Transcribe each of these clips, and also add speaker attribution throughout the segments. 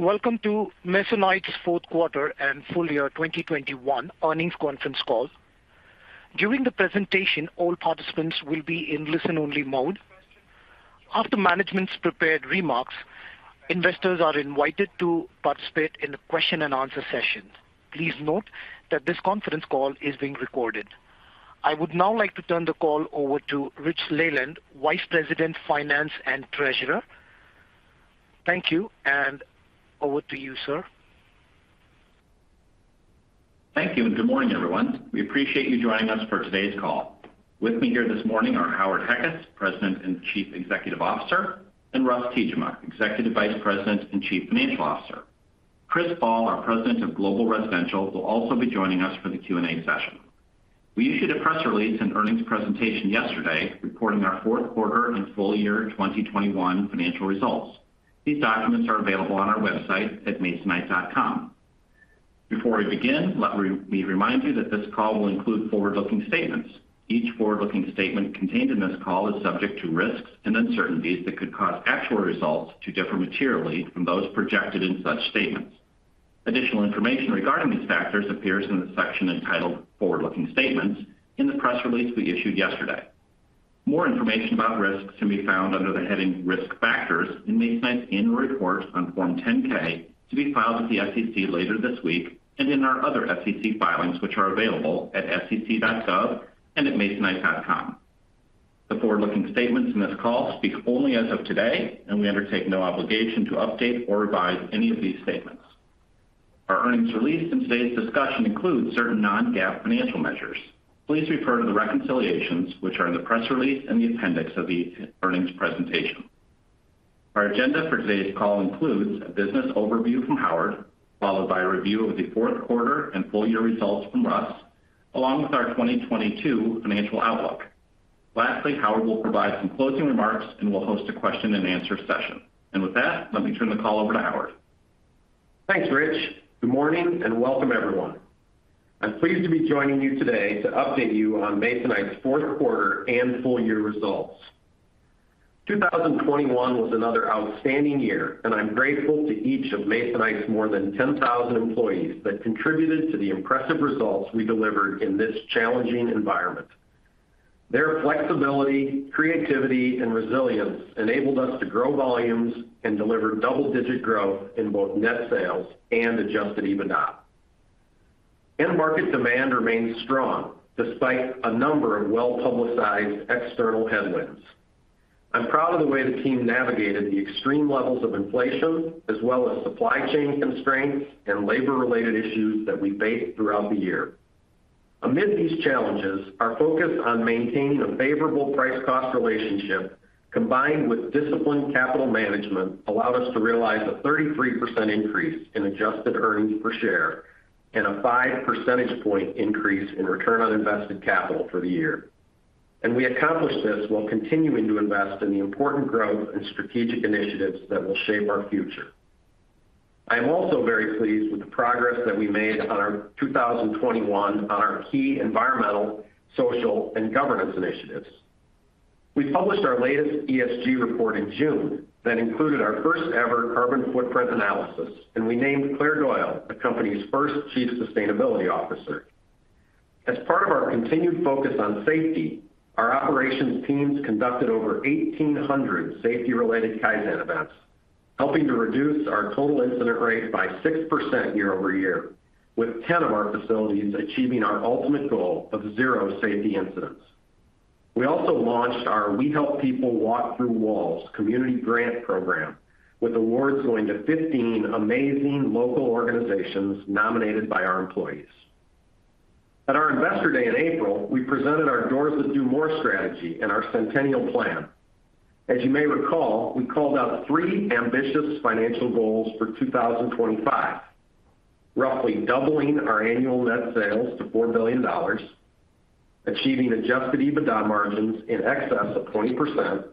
Speaker 1: Welcome to Masonite's fourth quarter and full year 2021 earnings conference call. During the presentation, all participants will be in listen-only mode. After management's prepared remarks, investors are invited to participate in the question-and-answer session. Please note that this conference call is being recorded. I would now like to turn the call over to Rich Leland, Vice President, Finance and Treasurer. Thank you, and over to you, sir.
Speaker 2: Thank you, and good morning, everyone. We appreciate you joining us for today's call. With me here this morning are Howard Heckes, President and Chief Executive Officer, and Russ Tiejema, Executive Vice President and Chief Financial Officer. Chris Ball, our President of Global Residential, will also be joining us for the Q&A session. We issued a press release and earnings presentation yesterday reporting our fourth quarter and full year 2021 financial results. These documents are available on our website at masonite.com. Before we begin, let us remind you that this call will include forward-looking statements. Each forward-looking statement contained in this call is subject to risks and uncertainties that could cause actual results to differ materially from those projected in such statements. Additional information regarding these factors appears in the section entitled Forward-Looking Statements in the press release we issued yesterday. More information about risks can be found under the heading Risk Factors in Masonite's annual report on Form 10-K to be filed with the SEC later this week, and in our other SEC filings which are available at sec.gov and at masonite.com. The forward-looking statements in this call speak only as of today, and we undertake no obligation to update or revise any of these statements. Our earnings release and today's discussion includes certain non-GAAP financial measures. Please refer to the reconciliations which are in the press release and the appendix of the earnings presentation. Our agenda for today's call includes a business overview from Howard, followed by a review of the fourth quarter and full year results from Russ, along with our 2022 financial outlook. Lastly, Howard will provide some closing remarks and will host a question-and-answer session. With that, let me turn the call over to Howard.
Speaker 3: Thanks, Rich. Good morning, and welcome everyone. I'm pleased to be joining you today to update you on Masonite's fourth quarter and full year results. 2021 was another outstanding year, and I'm grateful to each of Masonite's more than 10,000 employees that contributed to the impressive results we delivered in this challenging environment. Their flexibility, creativity and resilience enabled us to grow volumes and deliver double-digit growth in both net sales and adjusted EBITDA. End market demand remains strong despite a number of well-publicized external headwinds. I'm proud of the way the team navigated the extreme levels of inflation as well as supply chain constraints and labor-related issues that we faced throughout the year. Amid these challenges, our focus on maintaining a favorable price-cost relationship, combined with disciplined capital management, allowed us to realize a 33% increase in adjusted earnings per share and a 5 percentage point increase in return on invested capital for the year. We accomplished this while continuing to invest in the important growth and strategic initiatives that will shape our future. I am also very pleased with the progress that we made in 2021 on our key environmental, social, and governance initiatives. We published our latest ESG report in June that included our first-ever carbon footprint analysis, and we named Clare Doyle the company's first Chief Sustainability Officer. As part of our continued focus on safety, our operations teams conducted over 1,800 safety-related Kaizen events, helping to reduce our total incident rate by 6% year-over-year, with 10 of our facilities achieving our ultimate goal of zero safety incidents. We also launched our We Help People Walk Through Walls community grant program, with awards going to 15 amazing local organizations nominated by our employees. At our Investor Day in April, we presented our Doors That Do More strategy and our Centennial Plan. As you may recall, we called out three ambitious financial goals for 2025, roughly doubling our annual net sales to $4 billion, achieving adjusted EBITDA margins in excess of 20%,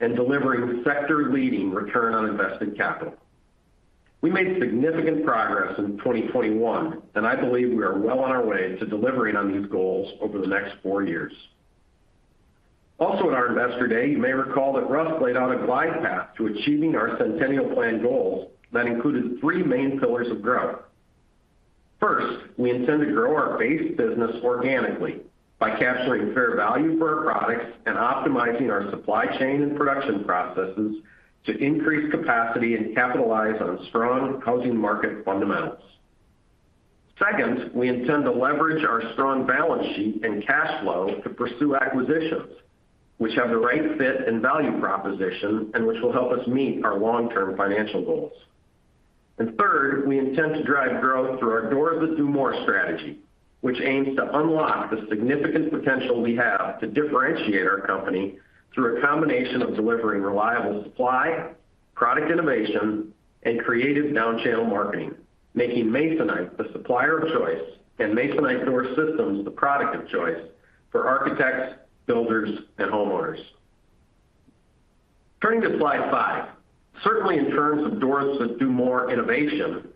Speaker 3: and delivering sector-leading return on invested capital. We made significant progress in 2021, and I believe we are well on our way to delivering on these goals over the next four years. Also at our Investor Day, you may recall that Russ laid out a glide path to achieving our Centennial Plan goals that included three main pillars of growth. First, we intend to grow our base business organically by capturing fair value for our products and optimizing our supply chain and production processes to increase capacity and capitalize on strong housing market fundamentals. Second, we intend to leverage our strong balance sheet and cash flow to pursue acquisitions which have the right fit and value proposition and which will help us meet our long-term financial goals. Third, we intend to drive growth through our Doors That Do More strategy, which aims to unlock the significant potential we have to differentiate our company through a combination of delivering reliable supply, product innovation, and creative downchannel marketing, making Masonite the supplier of choice and Masonite Door Systems the product of choice for architects, builders, and homeowners. Turning to Slide 5. Certainly in terms of Doors That Do More innovation,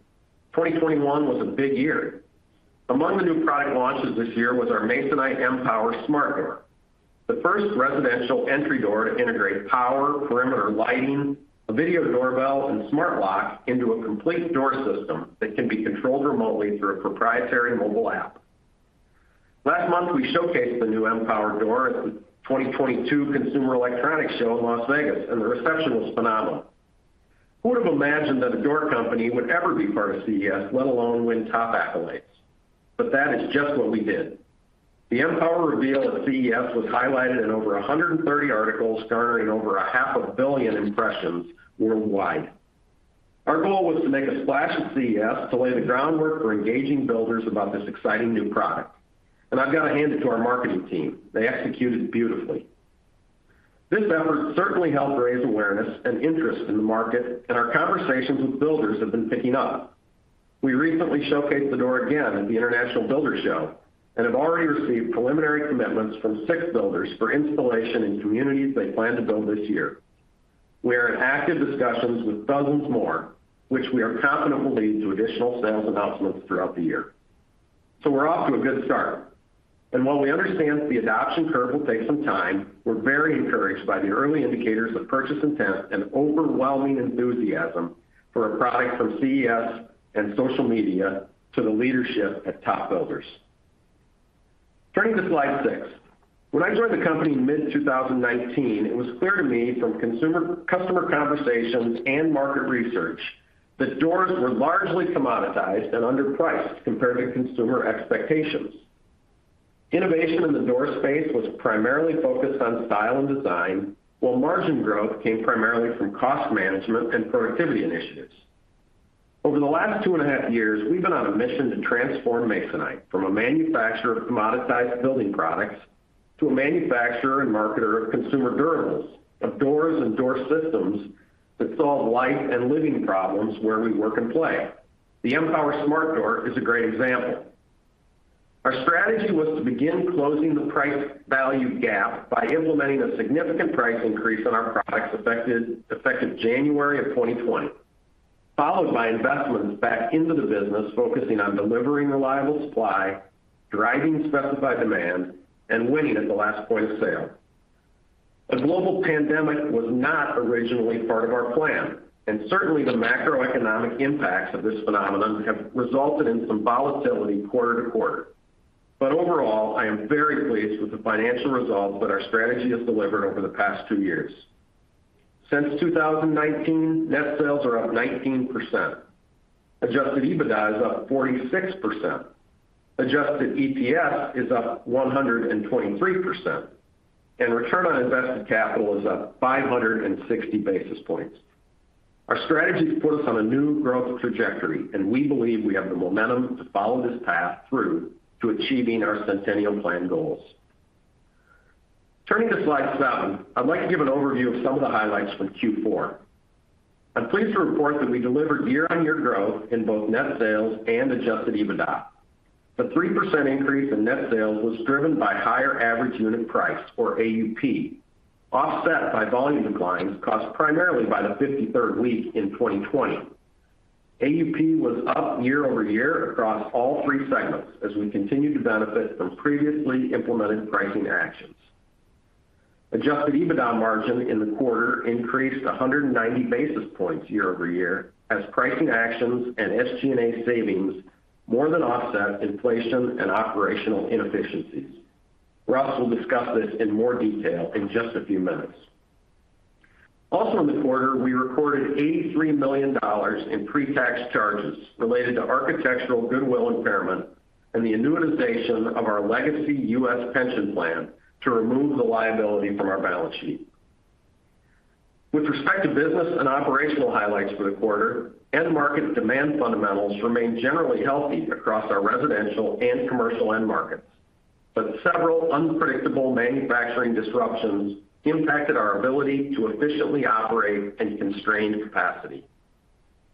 Speaker 3: 2021 was a big year. Among the new product launches this year was our Masonite M-Pwr smart door. The first residential entry door to integrate power, perimeter lighting, a video doorbell, and smart lock into a complete door system that can be controlled remotely through a proprietary mobile app. Last month, we showcased the new M-Pwr door at the 2022 Consumer Electronics Show in Las Vegas, and the reception was phenomenal. Who would have imagined that a door company would ever be part of CES, let alone win top accolades? That is just what we did. The M-Pwr reveal at CES was highlighted in over 130 articles, garnering over 500 million impressions worldwide. Our goal was to make a splash at CES to lay the groundwork for engaging builders about this exciting new product. I've got to hand it to our marketing team. They executed beautifully. This effort certainly helped raise awareness and interest in the market, and our conversations with builders have been picking up. We recently showcased the door again at the International Builders' Show and have already received preliminary commitments from six builders for installation in communities they plan to build this year. We are in active discussions with dozens more, which we are confident will lead to additional sales announcements throughout the year. We're off to a good start. While we understand the adoption curve will take some time, we're very encouraged by the early indicators of purchase intent and overwhelming enthusiasm for a product from CES and social media to the leadership at top builders. Turning to Slide 6. When I joined the company in mid-2019, it was clear to me from customer conversations and market research that doors were largely commoditized and underpriced compared to consumer expectations. Innovation in the door space was primarily focused on style and design, while margin growth came primarily from cost management and productivity initiatives. Over the last two and a half years, we've been on a mission to transform Masonite from a manufacturer of commoditized building products to a manufacturer and marketer of consumer durables, of doors and door systems that solve life and living problems where we work and play. The M-Pwr smart door is a great example. Our strategy was to begin closing the price value gap by implementing a significant price increase on our products effective January of 2020, followed by investments back into the business, focusing on delivering reliable supply, driving specified demand, and winning at the last point of sale. A global pandemic was not originally part of our plan, and certainly the macroeconomic impacts of this phenomenon have resulted in some volatility quarter to quarter. Overall, I am very pleased with the financial results that our strategy has delivered over the past two years. Since 2019, net sales are 19%. Adjusted EBITDA is up 46%. Adjusted EPS is up 123%. Return on invested capital is up 560 basis points. Our strategy has put us on a new growth trajectory, and we believe we have the momentum to follow this path through to achieving our Centennial Plan goals. Turning to Slide 7, I'd like to give an overview of some of the highlights from Q4. I'm pleased to report that we delivered year-on-year growth in both net sales and adjusted EBITDA. The 3% increase in net sales was driven by higher average unit price, or AUP, offset by volume declines caused primarily by the 53rd week in 2020. AUP was up year-over-year across all three segments as we continued to benefit from previously implemented pricing actions. adjusted EBITDA margin in the quarter increased 190 basis points year-over-year as pricing actions and SG&A savings more than offset inflation and operational inefficiencies. Russ will discuss this in more detail in just a few minutes. Also in the quarter, we recorded $83 million in pre-tax charges related to architectural goodwill impairment and the annuitization of our legacy U.S. pension plan to remove the liability from our balance sheet. With respect to business and operational highlights for the quarter, end market demand fundamentals remained generally healthy across our residential and commercial end markets. Several unpredictable manufacturing disruptions impacted our ability to efficiently operate and constrained capacity.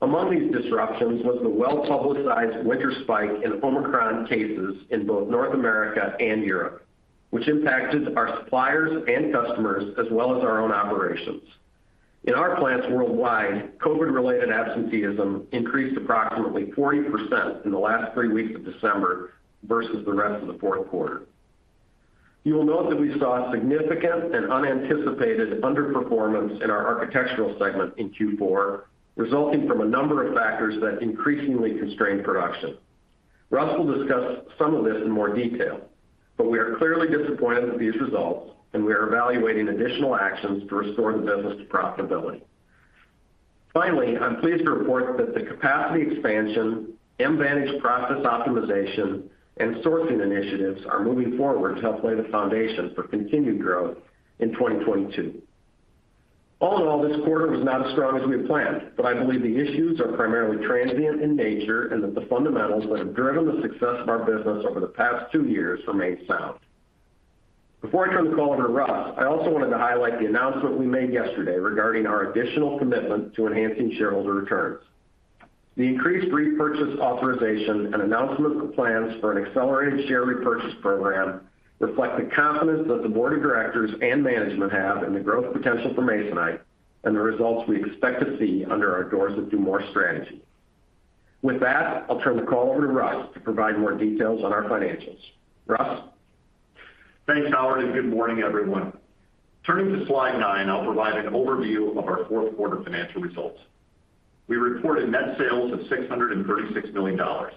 Speaker 3: Among these disruptions was the well-publicized winter spike in Omicron cases in both North America and Europe, which impacted our suppliers and customers, as well as our own operations. In our plants worldwide, COVID-related absenteeism increased approximately 40% in the last three weeks of December versus the rest of the fourth quarter. You will note that we saw significant and unanticipated underperformance in our Architectural segment in Q4, resulting from a number of factors that increasingly constrained production. Russ will discuss some of this in more detail, but we are clearly disappointed with these results, and we are evaluating additional actions to restore the business to profitability. Finally, I'm pleased to report that the capacity expansion, Mvantage process optimization, and sourcing initiatives are moving forward to help lay the foundation for continued growth in 2022. All in all, this quarter was not as strong as we had planned, but I believe the issues are primarily transient in nature and that the fundamentals that have driven the success of our business over the past two years remain sound. Before I turn the call over to Russ, I also wanted to highlight the announcement we made yesterday regarding our additional commitment to enhancing shareholder returns. The increased repurchase authorization and announcement of plans for an accelerated share repurchase program reflect the confidence that the board of directors and management have in the growth potential for Masonite and the results we expect to see under our Doors That Do More strategy. With that, I'll turn the call over to Russ to provide more details on our financials. Russ?
Speaker 4: Thanks, Howard, and good morning, everyone. Turning to Slide 9, I'll provide an overview of our fourth quarter financial results. We reported net sales of $636 million, up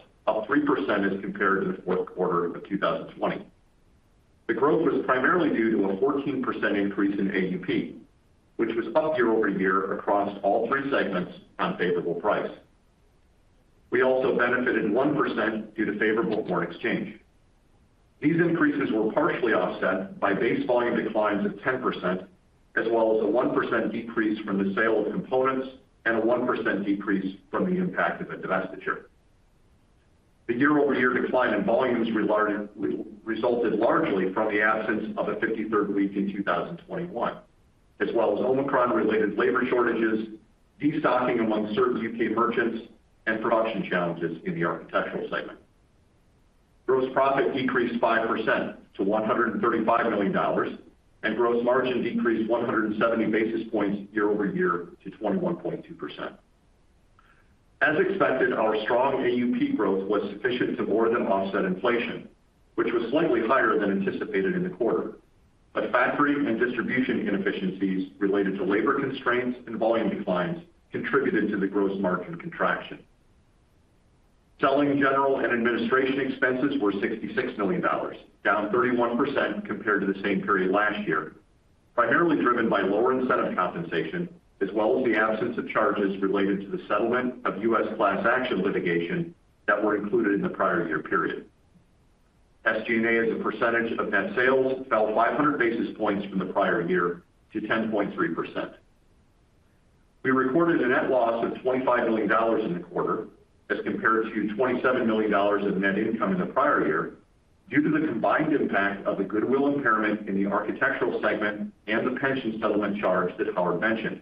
Speaker 4: 3% as compared to the fourth quarter of 2020. The growth was primarily due to a 14% increase in AUP, which was up year-over-year across all three segments on favorable price. We also benefited 1% due to favorable foreign exchange. These increases were partially offset by base volume declines of 10%, as well as a 1% decrease from the sale of components and a 1% decrease from the impact of a divestiture. The year-over-year decline in volumes resulted largely from the absence of a 53rd week in 2021, as well as Omicron-related labor shortages, destocking among certain U.K. merchants, and production challenges in the Architectural segment. Gross profit decreased 5% to $135 million, and gross margin decreased 170 basis points year-over-year to 21.2%. As expected, our strong AUP growth was sufficient to more than offset inflation, which was slightly higher than anticipated in the quarter. Factory and distribution inefficiencies related to labor constraints and volume declines contributed to the gross margin contraction. Selling, general and administration expenses were $66 million, down 31% compared to the same period last year, primarily driven by lower incentive compensation, as well as the absence of charges related to the settlement of U.S. class action litigation that were included in the prior year period. SG&A, as a percentage of net sales, fell 500 basis points from the prior year to 10.3%. We recorded a net loss of $25 million in the quarter as compared to $27 million of net income in the prior year due to the combined impact of the goodwill impairment in the Architectural segment and the pension settlement charge that Howard mentioned.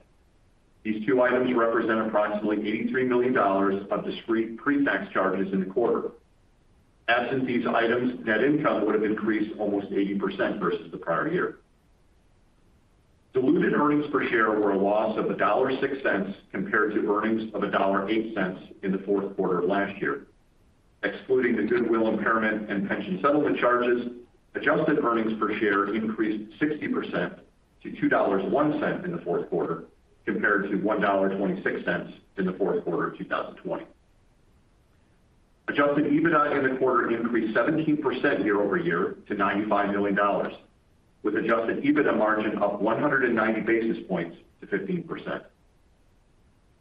Speaker 4: These two items represent approximately $83 million of discrete pre-tax charges in the quarter. Absent these items, net income would have increased almost 80% versus the prior year. Diluted earnings per share were a loss of $1.06 compared to earnings of $1.08 in the fourth quarter of last year. Excluding the goodwill impairment and pension settlement charges, adjusted earnings per share increased 60% to $2.01 in the fourth quarter, compared to $1.26 in the fourth quarter 2020. Adjusted EBITDA in the quarter increased 17% year-over-year to $95 million, with adjusted EBITDA margin up 190 basis points to 15%.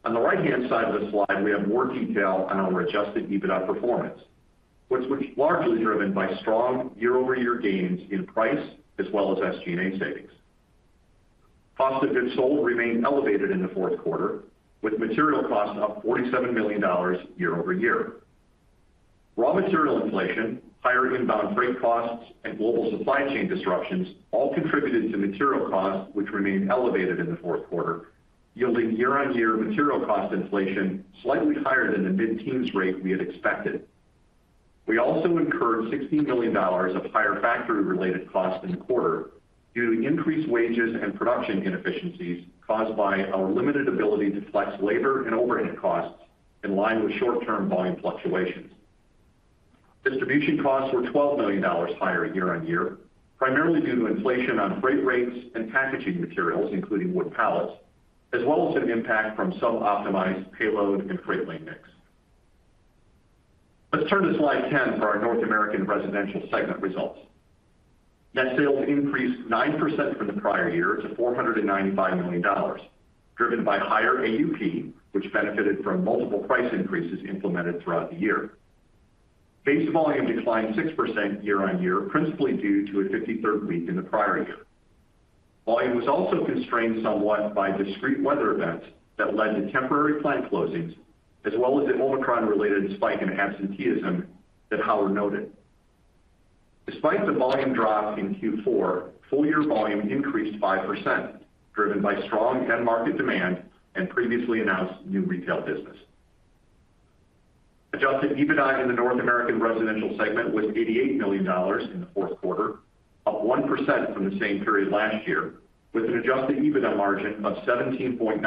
Speaker 4: On the right-hand side of the slide, we have more detail on our adjusted EBITDA performance, which was largely driven by strong year-over-year gains in price as well as SG&A savings. Cost of goods sold remained elevated in the fourth quarter, with material costs up $47 million year-over-year. Raw material inflation, higher inbound freight costs, and global supply chain disruptions all contributed to material costs, which remained elevated in the fourth quarter, yielding year-on-year material cost inflation slightly higher than the mid-teens rate we had expected. We also incurred $16 million of higher factory-related costs in the quarter due to increased wages and production inefficiencies caused by our limited ability to flex labor and overhead costs in line with short-term volume fluctuations. Distribution costs were $12 million higher year-on-year, primarily due to inflation on freight rates and packaging materials, including wood pallets, as well as an impact from sub-optimized payload and freight lane mix. Let's turn to Slide 10 for our North American Residential segment results. Net sales increased 9% from the prior year to $495 million, driven by higher AUP, which benefited from multiple price increases implemented throughout the year. Base volume declined 6% year-on-year, principally due to a 53rd week in the prior year. Volume was also constrained somewhat by discrete weather events that led to temporary plant closings, as well as an Omicron-related spike in absenteeism that Howard noted. Despite the volume drop in Q4, full year volume increased 5%, driven by strong end market demand and previously announced new business. Adjusted EBITDA in the North American Residential segment was $88 million in the fourth quarter, up 1% from the same period last year, with an adjusted EBITDA margin of 17.9%,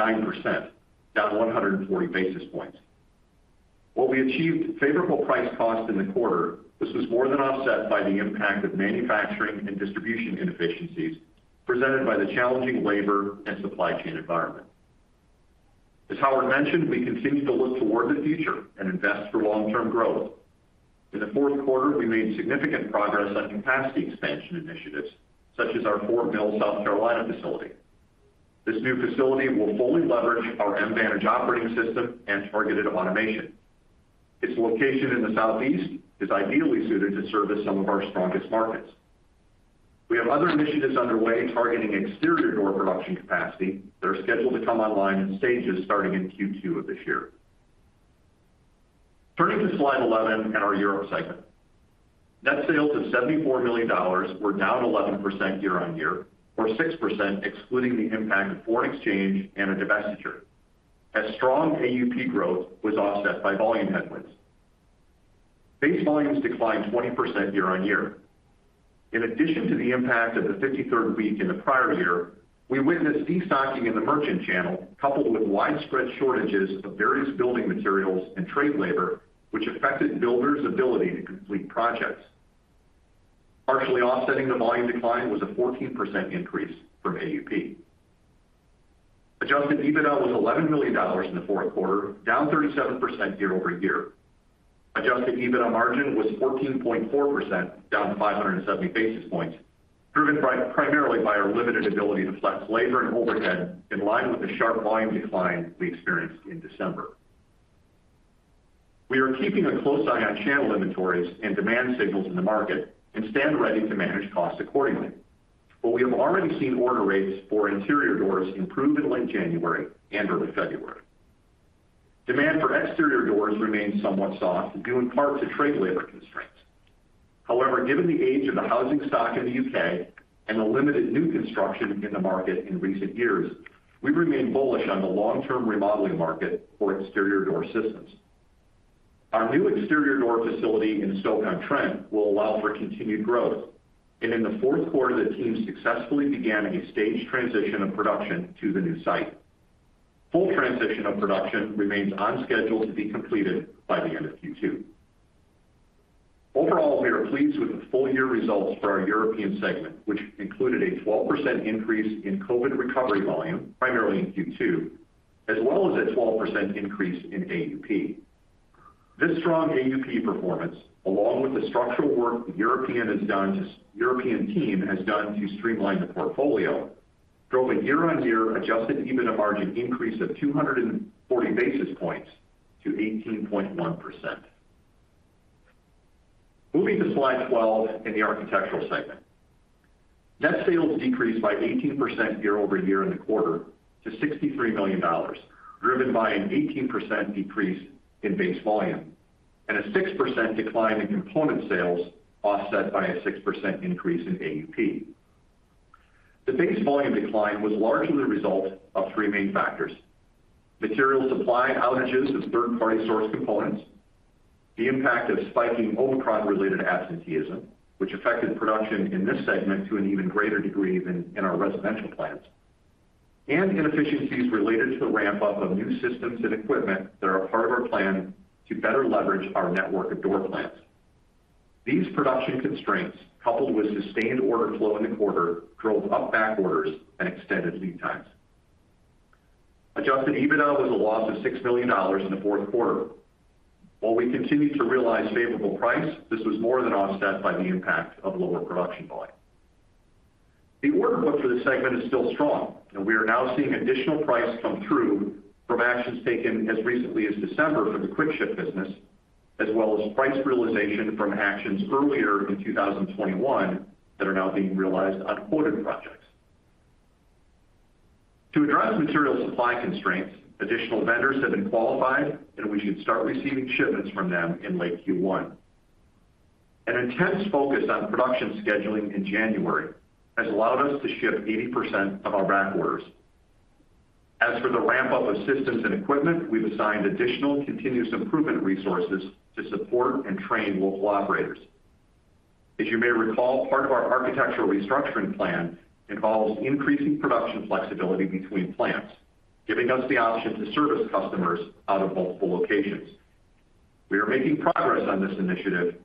Speaker 4: down 140 basis points. While we achieved favorable price cost in the quarter, this was more than offset by the impact of manufacturing and distribution inefficiencies presented by the challenging labor and supply chain environment. As Howard mentioned, we continue to look toward the future and invest for long-term growth. In the fourth quarter, we made significant progress on capacity expansion initiatives, such as our Fort Mill, South Carolina facility. This new facility will fully leverage our Mvantage operating system and targeted automation. Its location in the southeast is ideally suited to service some of our strongest markets. We have other initiatives underway targeting exterior door production capacity that are scheduled to come online in stages starting in Q2 of this year. Turning to Slide 11 and our Europe segment. Net sales of $74 million were down 11% year-on-year, or 6% excluding the impact of foreign exchange and a divestiture. As strong AUP growth was offset by volume headwinds. Base volumes declined 20% year-on-year. In addition to the impact of the 53rd week in the prior year, we witnessed destocking in the merchant channel, coupled with widespread shortages of various building materials and trade labor, which affected builders' ability to complete projects. Partially offsetting the volume decline was a 14% increase AUP. Adjusted EBITDA was $11 million in the fourth quarter, down year-over-year. Adjusted EBITDA margin was 14.4%, down 570 basis points, driven by, primarily by our limited ability to flex labor and overhead in line with the sharp volume decline we experienced in December. We are keeping a close eye on channel inventories and demand signals in the market and stand ready to manage costs accordingly. We have already seen order rates for interior doors improve in late January and early February. Demand for exterior doors remains somewhat soft, due in part to trade labor constraints. However, given the age of the housing stock in the U.K. and the limited new construction in the market in recent years, we remain bullish on the long-term remodeling market for exterior door systems. Our new exterior door facility in Stoke-on-Trent will allow for continued growth. In the fourth quarter, the team successfully began a staged transition of production to the new site. Full transition of production remains on schedule to be completed by the end of Q2. Overall, we are pleased with the full-year results for our European segment, which included a 12% increase in COVID recovery volume, primarily in Q2, as well as a 12% increase in AUP. This strong AUP performance, along with the structural work the European team has done to streamline the portfolio, drove a year-on-year adjusted EBITDA margin increase of 240 basis points to 18.1%. Moving to Slide 12 in the Architectural segment. Net sales decreased by 18% year-over-year in the quarter to $63 million, driven by an 18% decrease in base volume and a 6% decline in component sales, offset by a 6% increase in AUP. The base volume decline was largely the result of three main factors, material supply outages of third-party source components, the impact of spiking Omicron-related absenteeism, which affected production in this segment to an even greater degree than in our residential plants, and inefficiencies related to the ramp-up of new systems and equipment that are a part of our plan to better leverage our network of door plants. These production constraints, coupled with sustained order flow in the quarter, drove up back orders and extended times. Adjusted EBITDA was a loss of $6 million in the fourth quarter. While we continued to realize favorable price, this was more than offset by the impact of lower production volume. The order book for this segment is still strong, and we are now seeing additional price come through from actions taken as recently as December for the QuickShip business, as well as price realization from actions earlier in 2021 that are now being realized on quoted projects. To address material supply constraints, additional vendors have been qualified, and we should start receiving shipments from them in late Q1. An intense focus on production scheduling in January has allowed us to ship 80% of our back orders. As for the ramp-up of systems and equipment, we've assigned additional continuous improvement resources to support and train local operators. As you may recall, part of our architectural restructuring plan involves increasing production flexibility between plants, giving us the option to service customers out of multiple locations. We are making progress on this initiative,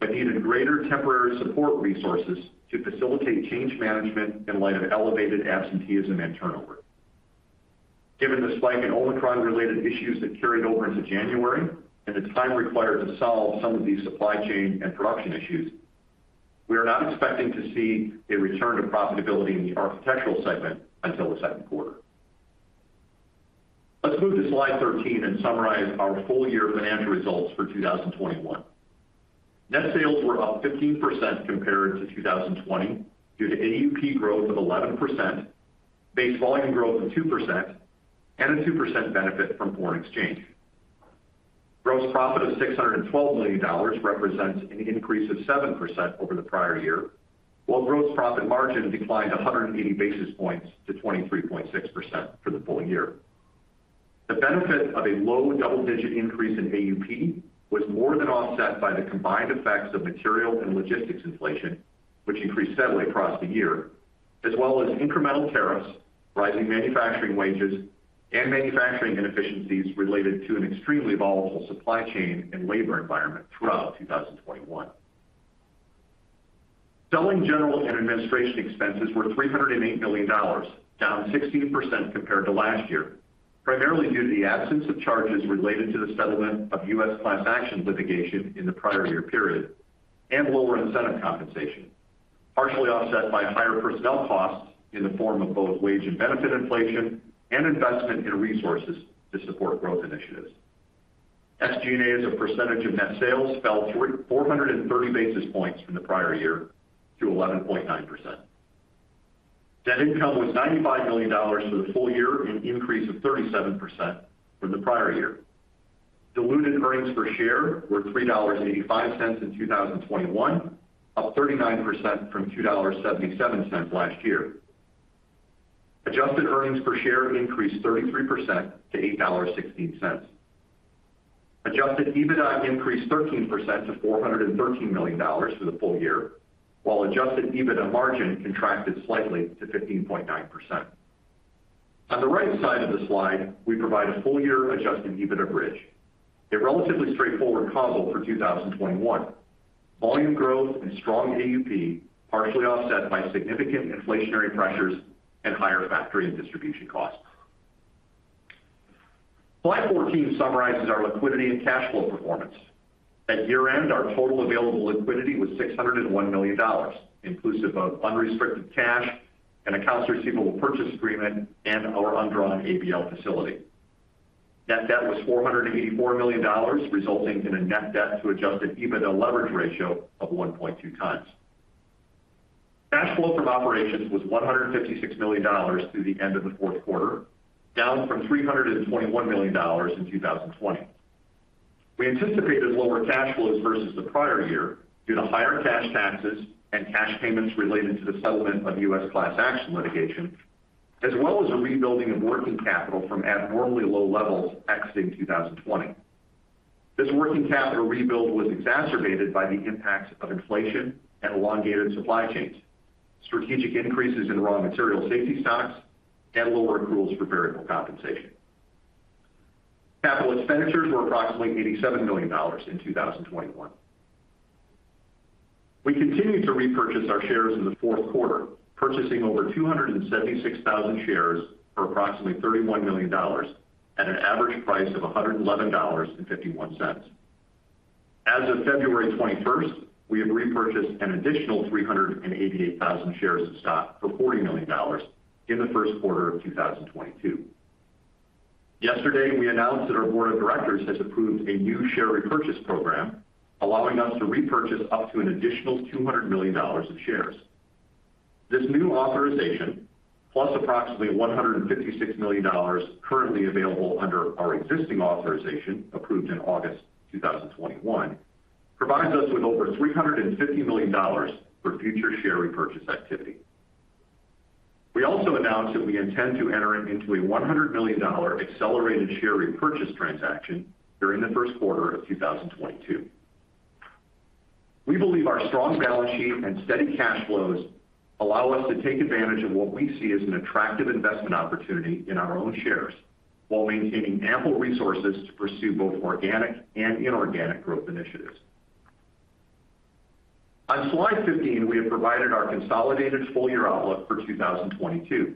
Speaker 4: but needed greater temporary support resources to facilitate change management in light of elevated absenteeism and turnover. Given the spike in Omicron-related issues that carried over into January and the time required to solve some of these supply chain and production issues, we are not expecting to see a return to profitability in the Architectural segment until the second quarter. Let's move to Slide 13 and summarize our full year financial results for 2021. Net sales were up 15% compared to 2020 due to AUP growth of 11%, base volume growth of 2%, and a 2% benefit from foreign exchange. Gross profit of $612 million represents an increase of 7% over the prior year, while gross profit margin declined 180 basis points to 23.6% for the full year. The benefit of a low double-digit increase in AUP was more than offset by the combined effects of material and logistics inflation, which increased steadily across the year, as well as incremental tariffs, rising manufacturing wages, and manufacturing inefficiencies related to an extremely volatile supply chain and labor environment throughout 2021. Selling, general, and administration expenses were $308 million, down 16% compared to last year, primarily due to the absence of charges related to the settlement of U.S. class action litigation in the prior year period and lower incentive compensation, partially offset by higher personnel costs in the form of both wage and benefit inflation and investment in resources to support growth initiatives. SG&A as a percentage of net sales fell 430 basis points from the prior year to 11.9%. Net income was $95 million for the full year, an increase of 37% from the prior year. Diluted earnings per share were $3.85 in 2021, up 39% from $2.77 last year. Adjusted earnings per share increased 33% to $8.16. adjusted EBITDA increased 13% to $413 million for the full year, while adjusted EBITDA margin contracted slightly to 15.9%. On the right side of the slide, we provide a full year adjusted EBITDA bridge, a relatively straightforward causals for 2021. Volume growth and strong AUP partially offset by significant inflationary pressures and higher factory and distribution costs. Slide 14 summarizes our liquidity and cash flow performance. At year-end, our total available liquidity was $601 million, inclusive of unrestricted cash and accounts receivable purchase agreement and our undrawn ABL facility. Net debt was $484 million, resulting in a net debt to adjusted EBITDA leverage ratio of 1.2x. Cash flow from operations was $156 million through the end of the fourth quarter, down from $321 million in 2020. We anticipated lower cash flows versus the prior year due to higher cash taxes and cash payments related to the settlement of U.S. class action litigation, as well as a rebuilding of working capital from abnormally low levels exiting 2020. This working capital rebuild was exacerbated by the impacts of inflation and elongated supply chains, strategic increases in raw material safety stocks, and lower accruals for variable compensation. Capital expenditures were approximately $87 million in 2021. We continued to repurchase our shares in the fourth quarter, purchasing over 276,000 shares for approximately $31 million at an average price of $111.51. As of February 21st, we have repurchased an additional 388,000 shares of stock for $40 million in the first quarter of 2022. Yesterday, we announced that our board of directors has approved a new share repurchase program, allowing us to repurchase up to an additional $200 million of shares. This new authorization, plus approximately $156 million currently available under our existing authorization approved in August 2021, provides us with over $350 million for future share repurchase activity. We also announced that we intend to enter into a $100 million accelerated share repurchase transaction during the first quarter of 2022. We believe our strong balance sheet and steady cash flows allow us to take advantage of what we see as an attractive investment opportunity in our own shares while maintaining ample resources to pursue both organic and inorganic growth initiatives. On Slide 15, we have provided our consolidated full-year outlook for 2022.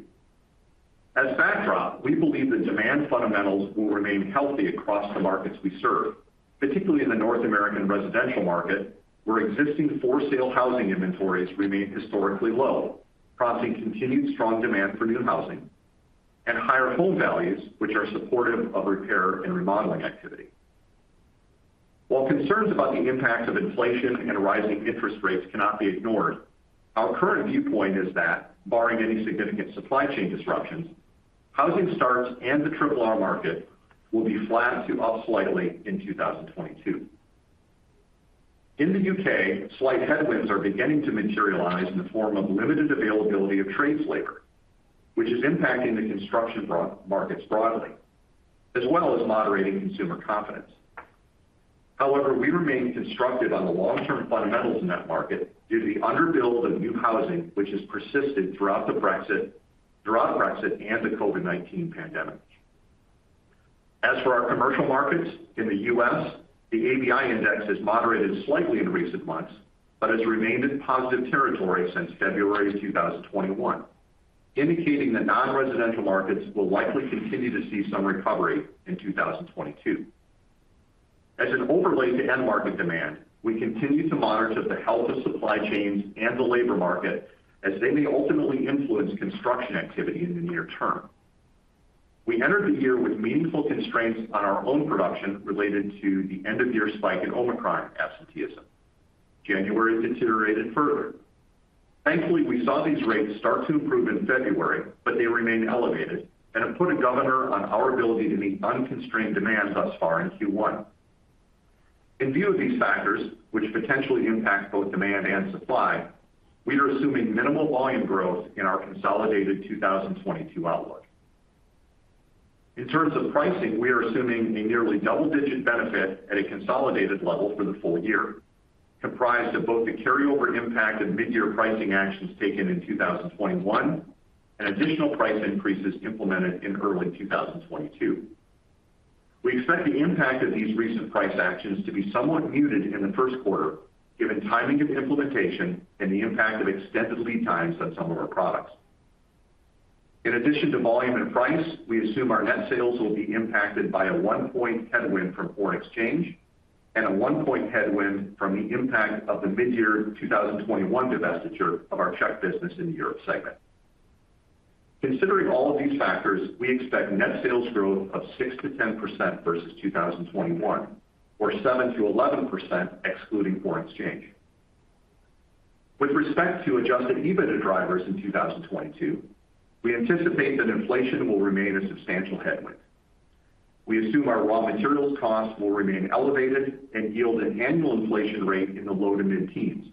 Speaker 4: As backdrop, we believe the demand fundamentals will remain healthy across the markets we serve, particularly in the North American residential market, where existing for-sale housing inventories remain historically low, prompting continued strong demand for new housing and higher home values, which are supportive of repair and remodeling activity. While concerns about the impact of inflation and rising interest rates cannot be ignored, our current viewpoint is that barring any significant supply chain disruptions, housing starts and the RRR market will be flat to up slightly in 2022. In the U.K., slight headwinds are beginning to materialize in the form of limited availability of trade labor, which is impacting the construction markets broadly, as well as moderating consumer confidence. However, we remain constructive on the long-term fundamentals in that market due to the underbuild of new housing, which has persisted throughout Brexit and the COVID-19 pandemic. As for our commercial markets in the U.S., the ABI index has moderated slightly in recent months, but has remained in positive territory since February 2021, indicating that non-residential markets will likely continue to see some recovery in 2022. As an overlay to end market demand, we continue to monitor the health of supply chains and the labor market as they may ultimately influence construction activity in the near term. We entered the year with meaningful constraints on our own production related to the end-of-year spike in Omicron absenteeism. January deteriorated further. Thankfully, we saw these rates start to improve in February, but they remain elevated and have put a governor on our ability to meet unconstrained demand thus far in Q1. In view of these factors, which potentially impact both demand and supply, we are assuming minimal volume growth in our consolidated 2022 outlook. In terms of pricing, we are assuming a nearly double-digit benefit at a consolidated level for the full year, comprised of both the carryover impact of mid-year pricing actions taken in 2021 and additional price increases implemented in early 2022. We expect the impact of these recent price actions to be somewhat muted in the first quarter given timing of implementation and the impact of extended lead times on some of our products. In addition to volume and price, we assume our net sales will be impacted by a 1-point headwind from foreign exchange and a 1-point headwind from the impact of the mid-year 2021 divestiture of our Czech business in the Europe segment. Considering all of these factors, we expect net sales growth of 6%-10% versus 2021 or 7%-11% excluding foreign exchange. With respect to adjusted EBITDA drivers in 2022, we anticipate that inflation will remain a substantial headwind. We assume our raw materials costs will remain elevated and yield an annual inflation rate in the low- to mid-teens,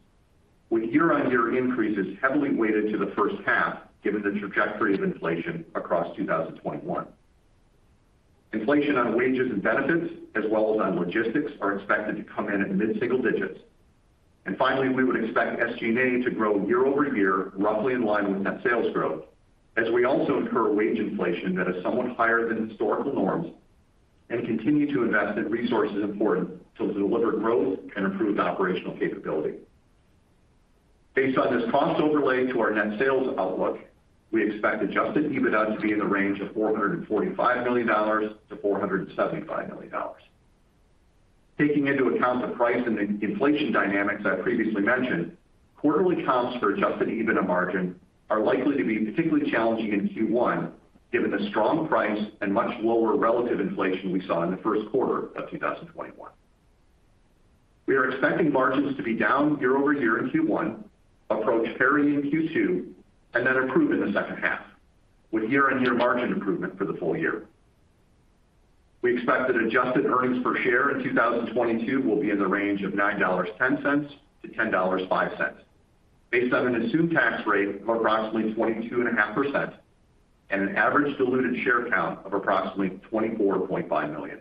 Speaker 4: with year-on-year increases heavily weighted to the first half given the trajectory of inflation across 2021. Inflation on wages and benefits as well as on logistics is expected to come in at mid-single digits. Finally, we would expect SG&A to grow year-over-year roughly in line with net sales growth as we also incur wage inflation that is somewhat higher than historical norms and continue to invest in resources important to deliver growth and improve the operational capability. Based on this cost overlay to our net sales outlook, we expect adjusted EBITDA to be in the range of $445 million-$475 million. Taking into account the price and the inflation dynamics I previously mentioned, quarterly comps for adjusted EBITDA margin are likely to be particularly challenging in Q1 given the strong price and much lower relative inflation we saw in the first quarter of 2021. We are expecting margins to be down year-over-year in Q1, approach carrying in Q2, and then improve in the second half with year-on-year margin improvement for the full year. We expect that adjusted earnings per share in 2022 will be in the range of $9.10-$10.05 based on an assumed tax rate of approximately 22.5% and an average diluted share count of approximately 24.5 million.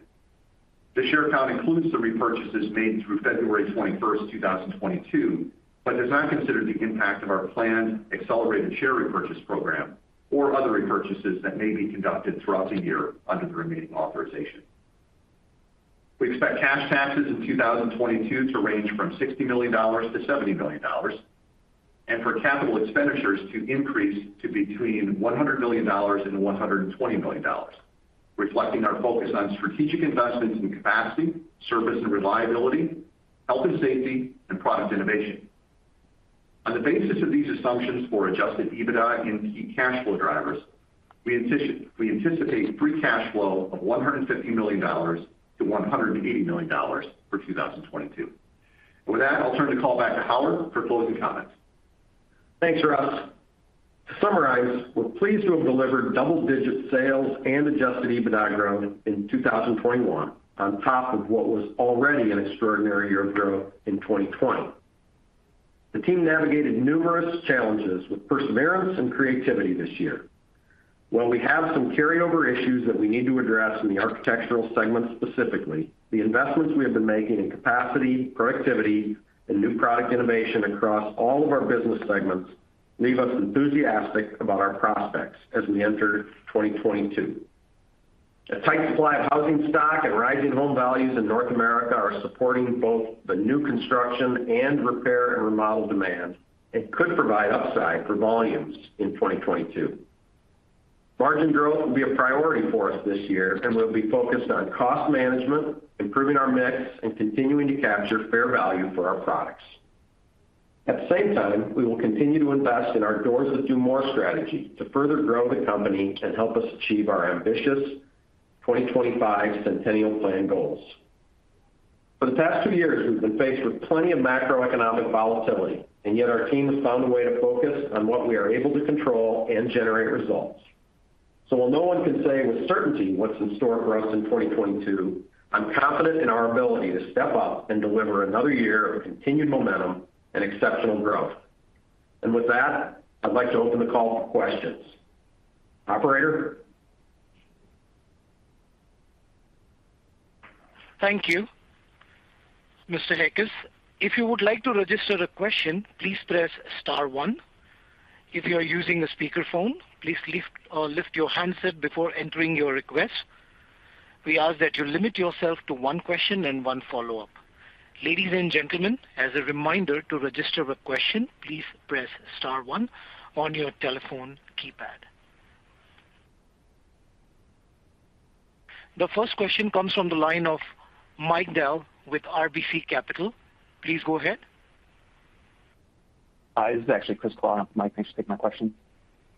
Speaker 4: The share count includes the repurchases made through February 21st, 2022, but does not consider the impact of our planned accelerated share repurchase program or other repurchases that may be conducted throughout the year under the remaining authorization. We expect cash taxes in 2022 to range from $60 million-$70 million and for capital expenditures to increase to between $100 million-$120 million, reflecting our focus on strategic investments in capacity, service and reliability, health and safety, and product innovation. On the basis of these assumptions for adjusted EBITDA and key cash flow drivers, we anticipate free cash flow of $150 million-$180 million for 2022. With that, I'll turn the call back to Howard for closing comments.
Speaker 3: Thanks, Russ. To summarize, we're pleased to have delivered double-digit sales and adjusted EBITDA growth in 2021 on top of what was already an extraordinary year of growth in 2020. The team navigated numerous challenges with perseverance and creativity this year. While we have some carryover issues that we need to address in the Architectural segment specifically, the investments we have been making in capacity, productivity, and new product innovation across all of our business segments leave us enthusiastic about our prospects as we enter 2022. A tight supply of housing stock and rising home values in North America are supporting both the new construction and repair and remodel demand and could provide upside for volumes in 2022. Margin growth will be a priority for us this year, and we'll be focused on cost management, improving our mix, and continuing to capture fair value for our products. At the same time, we will continue to invest in our Doors That Do More strategy to further grow the company and help us achieve our ambitious 2025 Centennial Plan goals. For the past two years, we've been faced with plenty of macroeconomic volatility, and yet our team has found a way to focus on what we are able to control and generate results. While no one can say with certainty what's in store for us in 2022, I'm confident in our ability to step up and deliver another year of continued momentum and exceptional growth. With that, I'd like to open the call for questions. Operator?
Speaker 1: Thank you, Mr. Heckes. If you would like to register a question, please press star one. If you are using a speakerphone, please lift your handset before entering your request. We ask that you limit yourself to one question and one follow-up. Ladies and gentlemen, as a reminder, to register a question, please press star one on your telephone keypad. The first question comes from the line of Mike Dahl with RBC Capital. Please go ahead.
Speaker 5: Hi, this is actually Chris [on for] Mike, thanks for taking my question.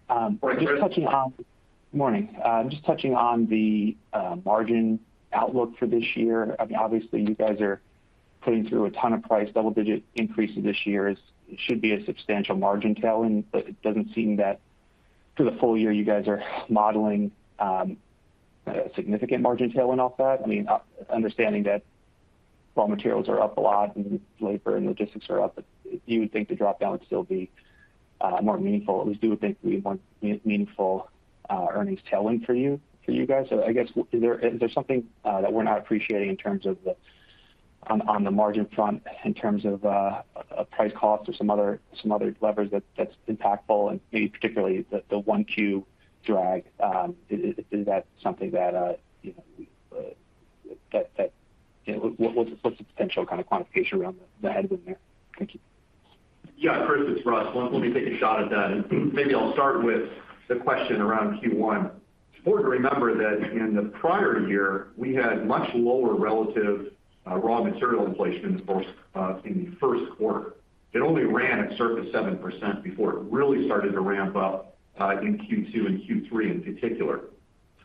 Speaker 3: Go ahead, Chris.
Speaker 5: Morning. Just touching on the margin outlook for this year. I mean, obviously, you guys are putting through a ton of price double-digit increases this year. It should be a substantial margin tailwind, but it doesn't seem that for the full year you guys are modeling a significant margin tailwind off that. I mean, understanding that raw materials are up a lot and labor and logistics are up, but you would think the drop-down would still be more meaningful. At least we would think it would be more meaningful earnings tailwind for you guys. I guess is there something that we're not appreciating in terms of on the margin front in terms of price cost or some other levers that's impactful and maybe particularly the 1Q drag? Is that something that you know that you know? What's the potential kind of quantification around the headwind there? Thank you.
Speaker 4: Yeah. Chris, it's Russ. Let me take a shot at that, and maybe I'll start with the question around Q1. It's important to remember that in the prior year we had much lower relative raw material inflation in the course of the first quarter. It only ran at roughly 7% before it really started to ramp up in Q2 and Q3 in particular.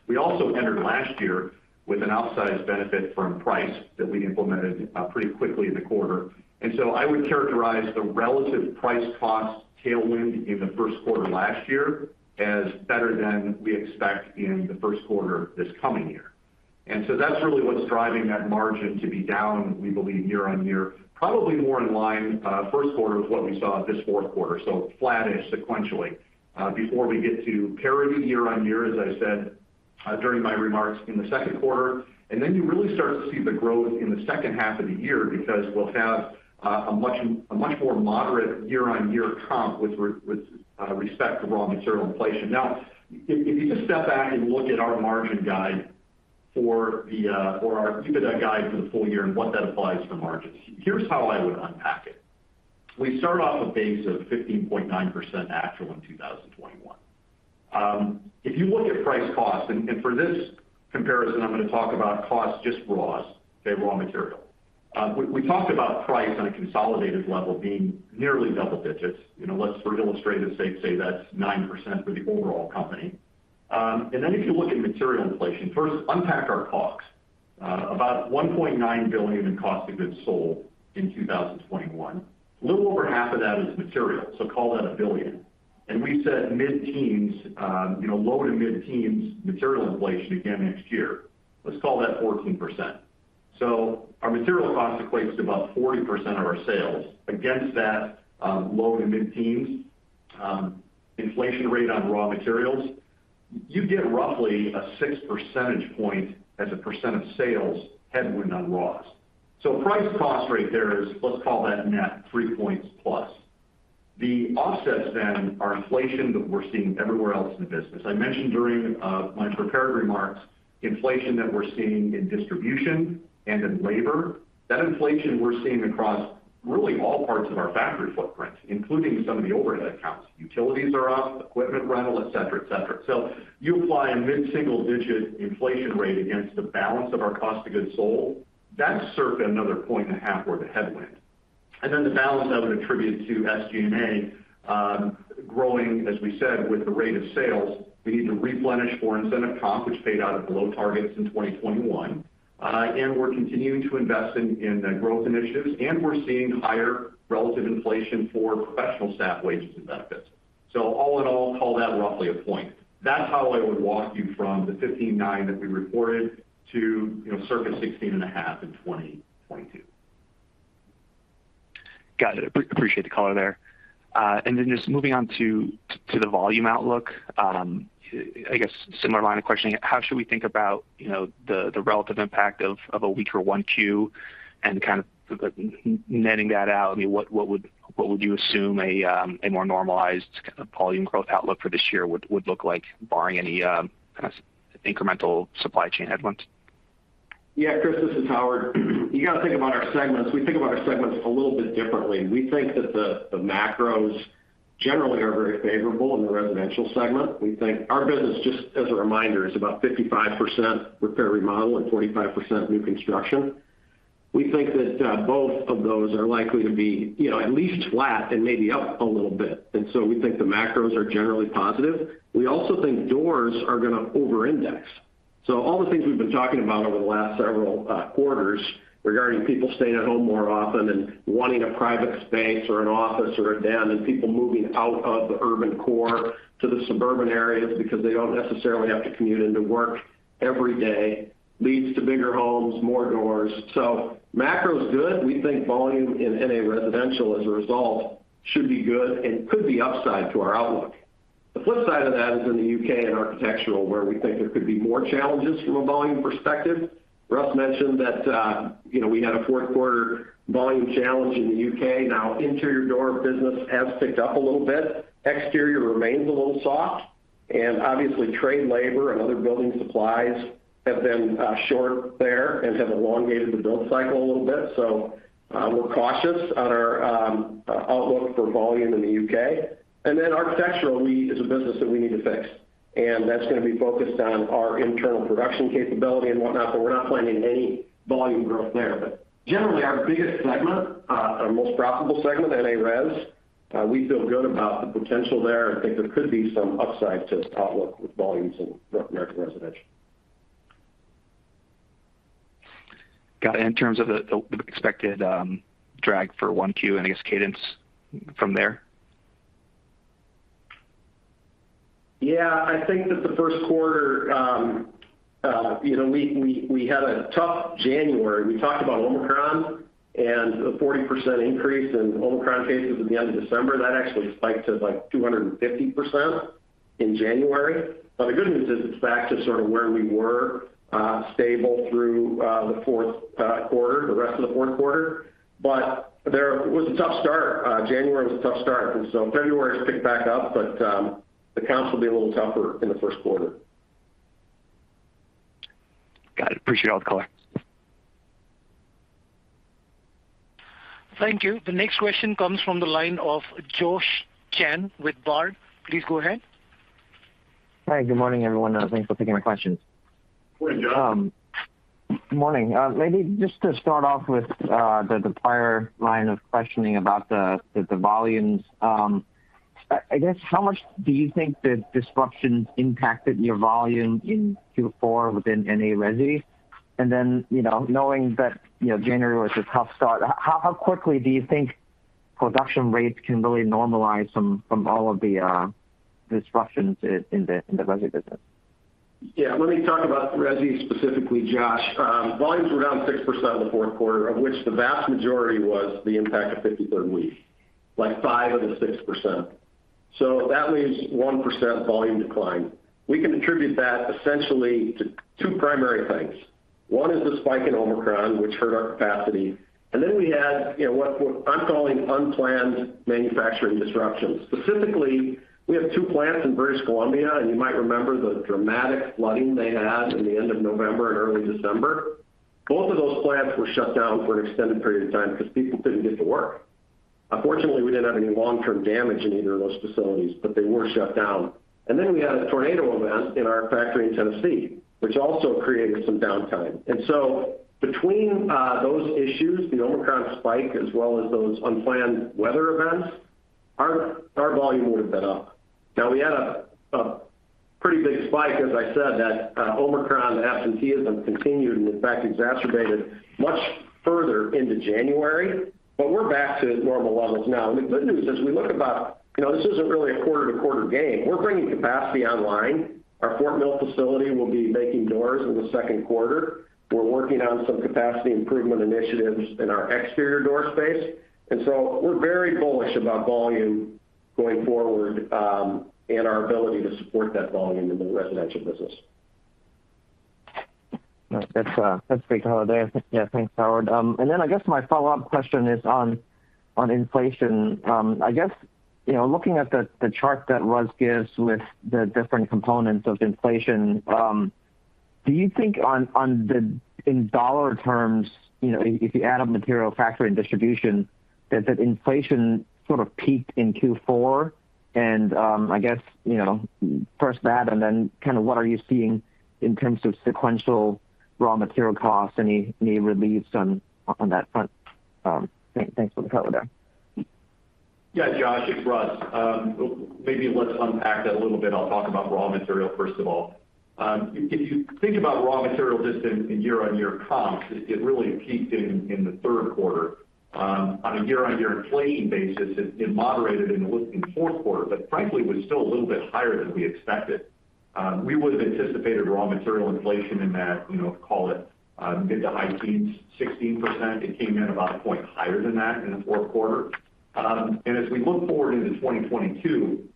Speaker 4: We also entered last year with an outsized benefit from price that we implemented pretty quickly in the quarter. I would characterize the relative price cost tailwind in the first quarter last year as better than we expect in the first quarter this coming year. That's really what's driving that margin to be down, we believe year-on-year, probably more in line, first quarter with what we saw this fourth quarter, so flattish sequentially, before we get to parity year-on-year, as I said, during my remarks in the second quarter. Then you really start to see the growth in the second half of the year because we'll have a much more moderate year-on-year comp with respect to raw material inflation. Now if you just step back and look at our margin guide for our EBITDA guide for the full year and what that applies to margins, here's how I would unpack it. We start off a base of 15.9% actual in 2021. If you look at price cost, and for this comparison, I'm gonna talk about cost just raw, okay, raw material. We talked about price on a consolidated level being nearly double digits. You know, let's for illustrative sake say that's 9% for the overall company. Then if you look at material inflation, first unpack our COGS, about $1.9 billion in cost of goods sold in 2021. A little over half of that is material, so call that a billion. We said mid-teens, you know, low- to mid-teens material inflation again next year. Let's call that 14%. So our material cost equates to about 40% of our sales against that, low- to mid-teens, inflation rate on raw materials. You get roughly a 6 percentage point as a percent of sales headwind on raw. Price-cost ratio there is, let's call that net three points plus. The offsets then are inflation that we're seeing everywhere else in the business. I mentioned during my prepared remarks inflation that we're seeing in distribution and in labor. That inflation we're seeing across really all parts of our factory footprint, including some of the overhead accounts. Utilities are up, equipment rental, et cetera, et cetera. You apply a mid-single-digit inflation rate against the balance of our cost of goods sold. That's circa another point and a half worth of headwind. The balance of it attributed to SG&A growing, as we said, with the rate of sales. We need to replenish for incentive comp, which paid out at below targets in 2021. We're continuing to invest in the growth initiatives, and we're seeing higher relative inflation for professional staff wages and benefits. All in all, call that roughly a point. That's how I would walk you from the 15.9% that we reported to, you know, circa 16.5% in 2022.
Speaker 5: Got it. Appreciate the color there. Just moving on to the volume outlook. I guess similar line of questioning. How should we think about, you know, the relative impact of a weaker Q1 and kind of the netting that out? I mean, what would you assume a more normalized kind of volume growth outlook for this year would look like barring any kind of incremental supply chain headwinds?
Speaker 3: Yeah, Chris, this is Howard. You got to think about our segments. We think about our segments a little bit differently. We think that the macros generally are very favorable in the Residential segment. Our business, just as a reminder, is about 55% repair, remodel, and 45% new construction. We think that both of those are likely to be, you know, at least flat and maybe up a little bit. We think the macros are generally positive. We also think doors are gonna over-index. All the things we've been talking about over the last several quarters regarding people staying at home more often and wanting a private space or an office or a den, and people moving out of the urban core to the suburban areas because they don't necessarily have to commute into work every day leads to bigger homes, more doors. Macro is good. We think volume in NA Residential as a result should be good and could be upside to our outlook. The flip side of that is in the U.K. and Architectural, where we think there could be more challenges from a volume perspective. Russ mentioned that we had a fourth quarter volume challenge in the U.K. Now, interior door business has picked up a little bit. Exterior remains a little soft, and obviously trade, labor, and other building supplies have been short there and have elongated the build cycle a little bit. We're cautious on our outlook for volume in the U.K. Architectural is a business that we need to fix, and that's gonna be focused on our internal production capability and whatnot, but we're not planning any volume growth there. Generally, our biggest segment, our most profitable segment, NA Res, we feel good about the potential there and think there could be some upside to outlook with volumes in North American Residential.
Speaker 5: Got it. In terms of the expected drag for 1Q and I guess cadence from there?
Speaker 3: Yeah. I think that the first quarter, you know, we had a tough January. We talked about Omicron and the 40% increase in Omicron cases at the end of December. That actually spiked to, like, 250% in January. The good news is it's back to sort of where we were, stable through the fourth quarter, the rest of the fourth quarter. There was a tough start. January was a tough start. February has picked back up, but the comps will be a little tougher in the first quarter.
Speaker 5: Got it. Appreciate all the color.
Speaker 1: Thank you. The next question comes from the line of Josh Chan with Baird. Please go ahead.
Speaker 6: Hi. Good morning, everyone. Thanks for taking my questions.
Speaker 3: Good morning, Josh.
Speaker 6: Good morning. Maybe just to start off with, the prior line of questioning about the volumes. I guess how much do you think the disruption impacted your volume in Q4 within NA Resi? And then, you know, knowing that, you know, January was a tough start, how quickly do you think production rates can really normalize from all of the disruptions in the res business.
Speaker 3: Yeah. Let me talk about resi specifically, Josh. Volumes were down 6% in the fourth quarter, of which the vast majority was the impact of 53rd week, like 5% of the 6%. That leaves 1% volume decline. We can attribute that essentially to two primary things. One is the spike in Omicron, which hurt our capacity. We had, you know, what I'm calling unplanned manufacturing disruptions. Specifically, we have two plants in British Columbia, and you might remember the dramatic flooding they had in the end of November and early December? Both of those plants were shut down for an extended period of time because people couldn't get to work. Unfortunately, we didn't have any long-term damage in either of those facilities, but they were shut down. We had a tornado event in our factory in Tennessee, which also created some downtime. Between those issues, the Omicron spike, as well as those unplanned weather events, our volume would have been up. Now we had a pretty big spike, as I said, that Omicron absenteeism continued and in fact exacerbated much further into January. We're back to normal levels now. The good news as we look about, this isn't really a quarter-to-quarter game. We're bringing capacity online. Our Fort Mill facility will be making doors in the second quarter. We're working on some capacity improvement initiatives in our exterior door space. We're very bullish about volume going forward, and our ability to support that volume in the residential business.
Speaker 6: That's a great color there. Yeah. Thanks, Howard. I guess my follow-up question is on inflation. I guess, you know, looking at the chart that Russ gives with the different components of inflation, do you think in dollar terms, you know, if you add up material factory and distribution, that inflation sort of peaked in Q4 and, I guess, you know, first that and then kind of what are you seeing in terms of sequential raw material costs? Any reliefs on that front? Thanks for the color there.
Speaker 4: Yeah, Josh, it's Russ. Maybe let's unpack that a little bit. I'll talk about raw material first of all. If you think about raw material just in year-on-year comps, it really peaked in the third quarter. On a year-on-year inflating basis, it moderated and lifted in the fourth quarter, but frankly, it was still a little bit higher than we expected. We would have anticipated raw material inflation in that, you know, call it mid- to high-teens, 16%. It came in about a point higher than that in the fourth quarter. And as we look forward into 2022,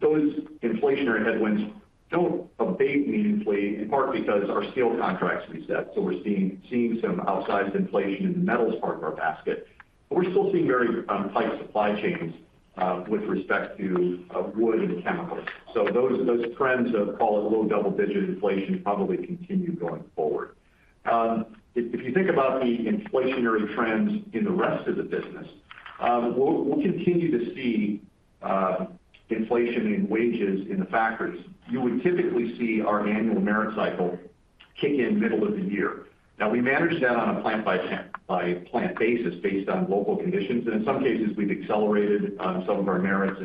Speaker 4: those inflationary headwinds don't abate meaningfully, in part because our steel contracts reset. We're seeing some outsized inflation in the metals part of our basket. We're still seeing very tight supply chains with respect to wood and chemicals. Those trends of call it low double-digit inflation probably continue going forward. If you think about the inflationary trends in the rest of the business, we'll continue to see inflation in wages in the factories. You would typically see our annual merit cycle kick in middle of the year. Now we manage that on a plant by plant basis based on local conditions. In some cases, we've accelerated some of our merits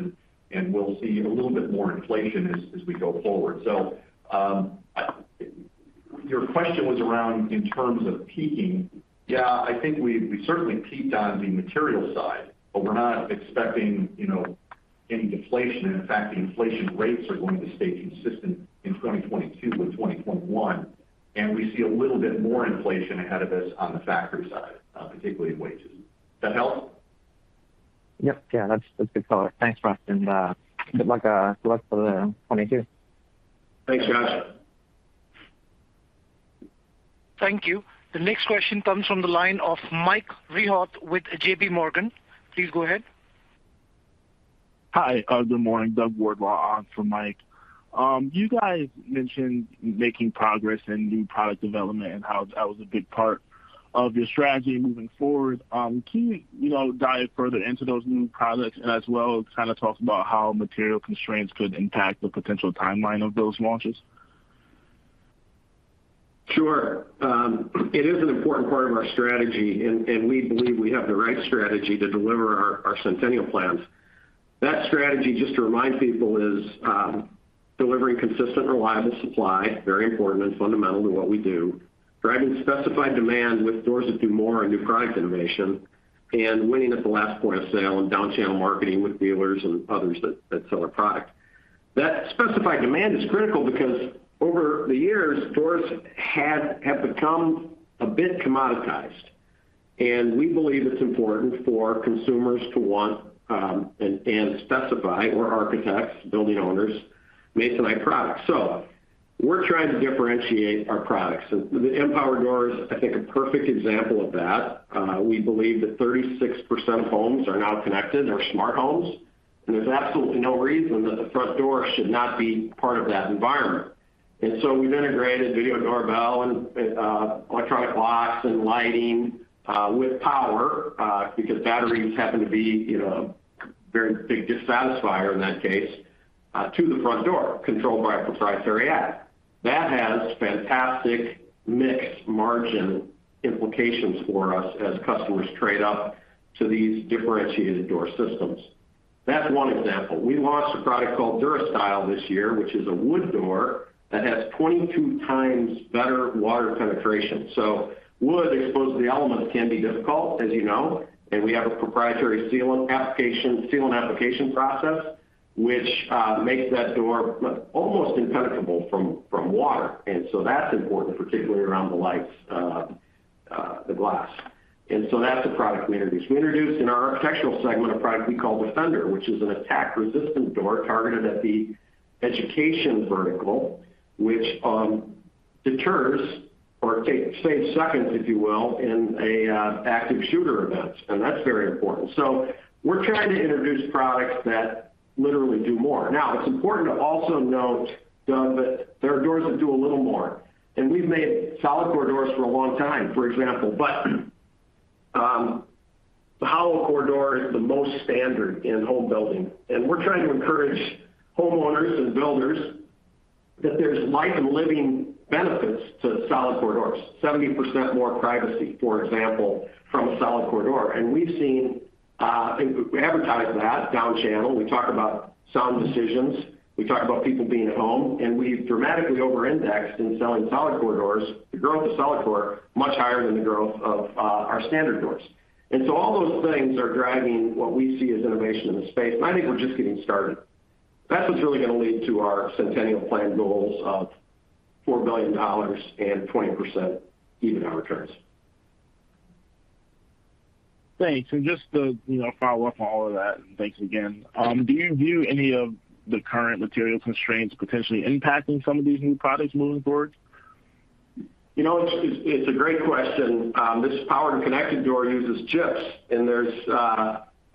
Speaker 4: and we'll see a little bit more inflation as we go forward. Your question was around in terms of peaking. Yeah, I think we certainly peaked on the material side, but we're not expecting you know any deflation. In fact, the inflation rates are going to stay consistent in 2022 with 2021, and we see a little bit more inflation ahead of us on the factory side, particularly in wages. Does that help?
Speaker 6: Yep. Yeah, that's a good color. Thanks, Russ. Good luck for 2022.
Speaker 3: Thanks, Josh.
Speaker 1: Thank you. The next question comes from the line of Mike Rehaut with JPMorgan. Please go ahead.
Speaker 7: Hi. Good morning. Doug Wardlaw on for Mike. You guys mentioned making progress in new product development and how that was a big part of your strategy moving forward. Can you know, dive further into those new products and as well kind of talk about how material constraints could impact the potential timeline of those launches?
Speaker 3: Sure. It is an important part of our strategy and we believe we have the right strategy to deliver our Centennial Plan. That strategy, just to remind people, is delivering consistent, reliable supply, very important and fundamental to what we do. Driving specified demand with Doors That Do More and new product innovation, and winning at the last point of sale and down channel marketing with dealers and others that sell our product. That specified demand is critical because over the years, doors have become a bit commoditized, and we believe it's important for consumers to want and specify or architects, building owners, Masonite products. We're trying to differentiate our products. The M-Pwr door is, I think, a perfect example of that. We believe that 36% of homes are now connected or smart homes, and there's absolutely no reason that the front door should not be part of that environment. We've integrated video doorbell and electronic locks and lighting with power because batteries happen to be, you know, a very big dissatisfier in that case to the front door controlled by a proprietary app. That has fantastic mix margin implications for us as customers trade up to these differentiated door systems. That's one example. We launched a product called DuraStyle this year, which is a wood door that has 22x better water penetration. Wood exposed to the elements can be difficult, as you know, and we have a proprietary sealant application process which makes that door almost impenetrable from water. That's important, particularly around the lights, the glass. That's a product we introduced. We introduced in our Architectural segment a product we call Defendr, which is an attack-resistant door targeted at the education vertical, which saves seconds, if you will, in a active shooter event. That's very important. We're trying to introduce products that literally do more. Now it's important to also note, Doug, that there are doors that do a little more. We've made solid core doors for a long time, for example. The hollow core door is the most standard in home building. We're trying to encourage homeowners and builders that there's life and living benefits to solid core doors. 70% more privacy, for example, from a solid core door. We've seen we advertise that down channel. We talk about sound decisions. We talk about people being at home, and we've dramatically overindexed in selling solid core doors. The growth of solid core much higher than the growth of our standard doors. All those things are driving what we see as innovation in the space. I think we're just getting started. That's what's really going to lead to our Centennial Plan goals of $4 billion and 20% EBITDA returns.
Speaker 7: Thanks. Just to, you know, follow-up on all of that, and thanks again. Do you view any of the current material constraints potentially impacting some of these new products moving forward?
Speaker 3: You know, it's a great question. This powered and connected door uses chips, and there's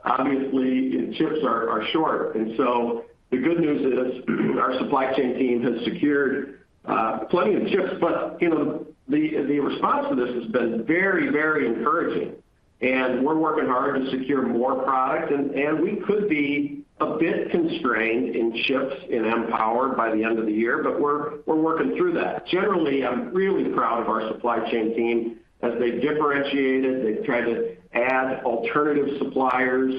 Speaker 3: obviously chips are short. The good news is our supply chain team has secured plenty of chips. You know, the response to this has been very encouraging and we're working hard to secure more product and we could be a bit constrained in chips in M-Pwr by the end of the year. We're working through that. Generally, I'm really proud of our supply chain team as they've differentiated, they've tried to add alternative suppliers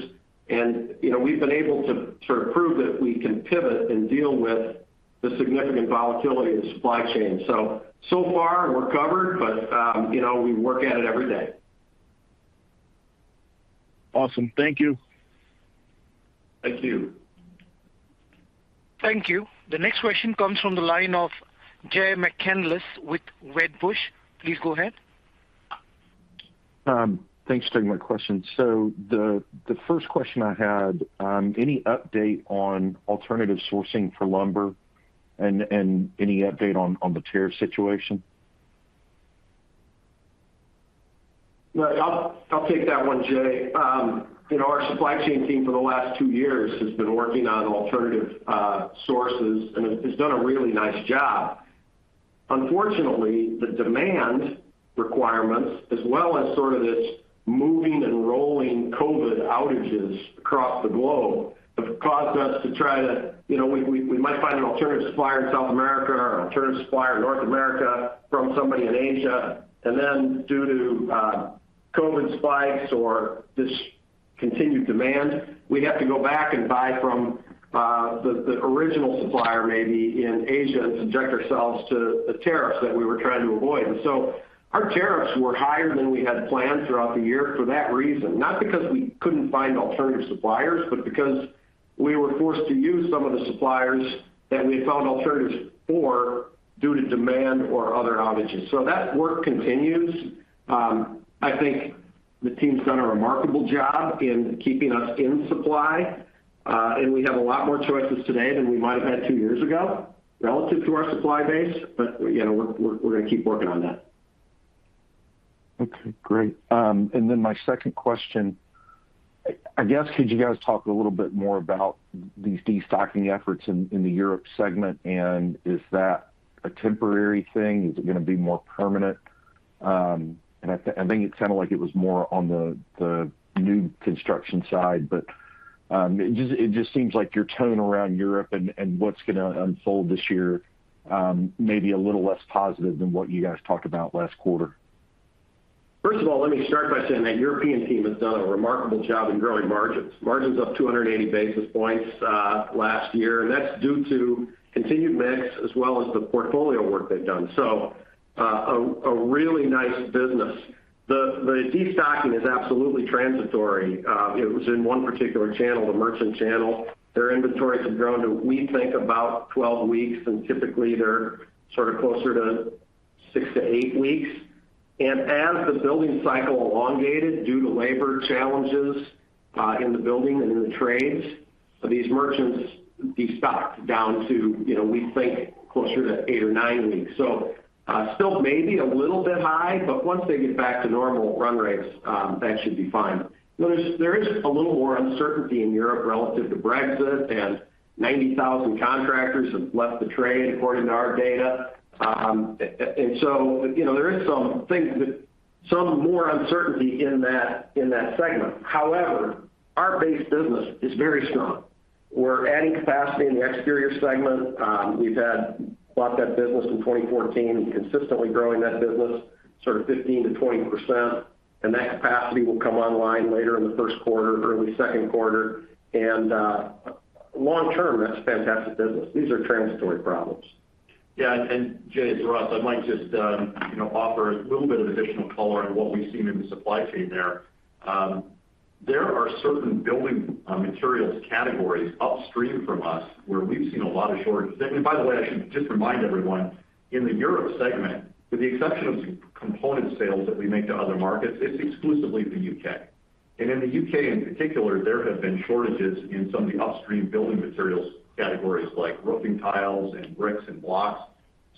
Speaker 3: and, you know, we've been able to sort of prove that we can pivot and deal with the significant volatility of the supply chain. So far we're covered, but you know, we work at it every day.
Speaker 7: Awesome. Thank you.
Speaker 3: Thank you.
Speaker 1: Thank you. The next question comes from the line of Jay McCanless with Wedbush. Please go ahead.
Speaker 8: Thanks for taking my question. The first question I had, any update on alternative sourcing for lumber and any update on the tariff situation?
Speaker 3: I'll take that one, Jay. You know, our supply chain team for the last two years has been working on alternative sources and has done a really nice job. Unfortunately, the demand requirements as well as sort of this moving and rolling COVID outages across the globe have caused us to you know, we might find an alternative supplier in South America or an alternative supplier in North America from somebody in Asia. Due to COVID spikes or this continued demand, we have to go back and buy from the original supplier maybe in Asia and subject ourselves to the tariffs that we were trying to avoid. Our tariffs were higher than we had planned throughout the year for that reason, not because we couldn't find alternative suppliers, but because we were forced to use some of the suppliers that we had found alternatives for due to demand or other outages. That work continues. I think the team's done a remarkable job in keeping us in supply. We have a lot more choices today than we might have had two years ago relative to our supply base. You know, we're gonna keep working on that.
Speaker 8: Okay, great. My second question, I guess could you guys talk a little bit more about these destocking efforts in the Europe segment and is that a temporary thing? Is it gonna be more permanent? I think it sounded like it was more on the new construction side, but it just seems like your tone around Europe and what's gonna unfold this year may be a little less positive than what you guys talked about last quarter?
Speaker 3: First of all, let me start by saying that European team has done a remarkable job in growing margins. Margins up 280 basis points last year, and that's due to continued mix as well as the portfolio work they've done. A really nice business. The destocking is absolutely transitory. It was in one particular channel, the merchant channel. Their inventories have grown to, we think about 12 weeks, and typically they're sort of closer six to eight weeks. As the building cycle elongated due to labor challenges in the building and in the trades, these merchants destocked down to, you know, we think closer to eight or nine weeks. Still maybe a little bit high, but once they get back to normal run rates, that should be fine. There is a little more uncertainty in Europe relative to Brexit and 90,000 contractors have left the trade according to our data. You know, there is some more uncertainty in that segment. However, our base business is very strong. We're adding capacity in the exterior segment. We've had bought that business in 2014 and consistently growing that business sort of 15%-20%. That capacity will come online later in the first quarter, early second quarter. Long term, that's fantastic business. These are transitory problems.
Speaker 4: Yeah. Jay, it's Russ. I might just, you know, offer a little bit of additional color on what we've seen in the supply chain there. There are certain building materials categories upstream from us where we've seen a lot of shortage. By the way, I should just remind everyone, in the Europe segment, with the exception of component sales that we make to other markets, it's exclusively the U.K. In the U.K. in particular, there have been shortages in some of the upstream building materials categories like roofing tiles and bricks and blocks.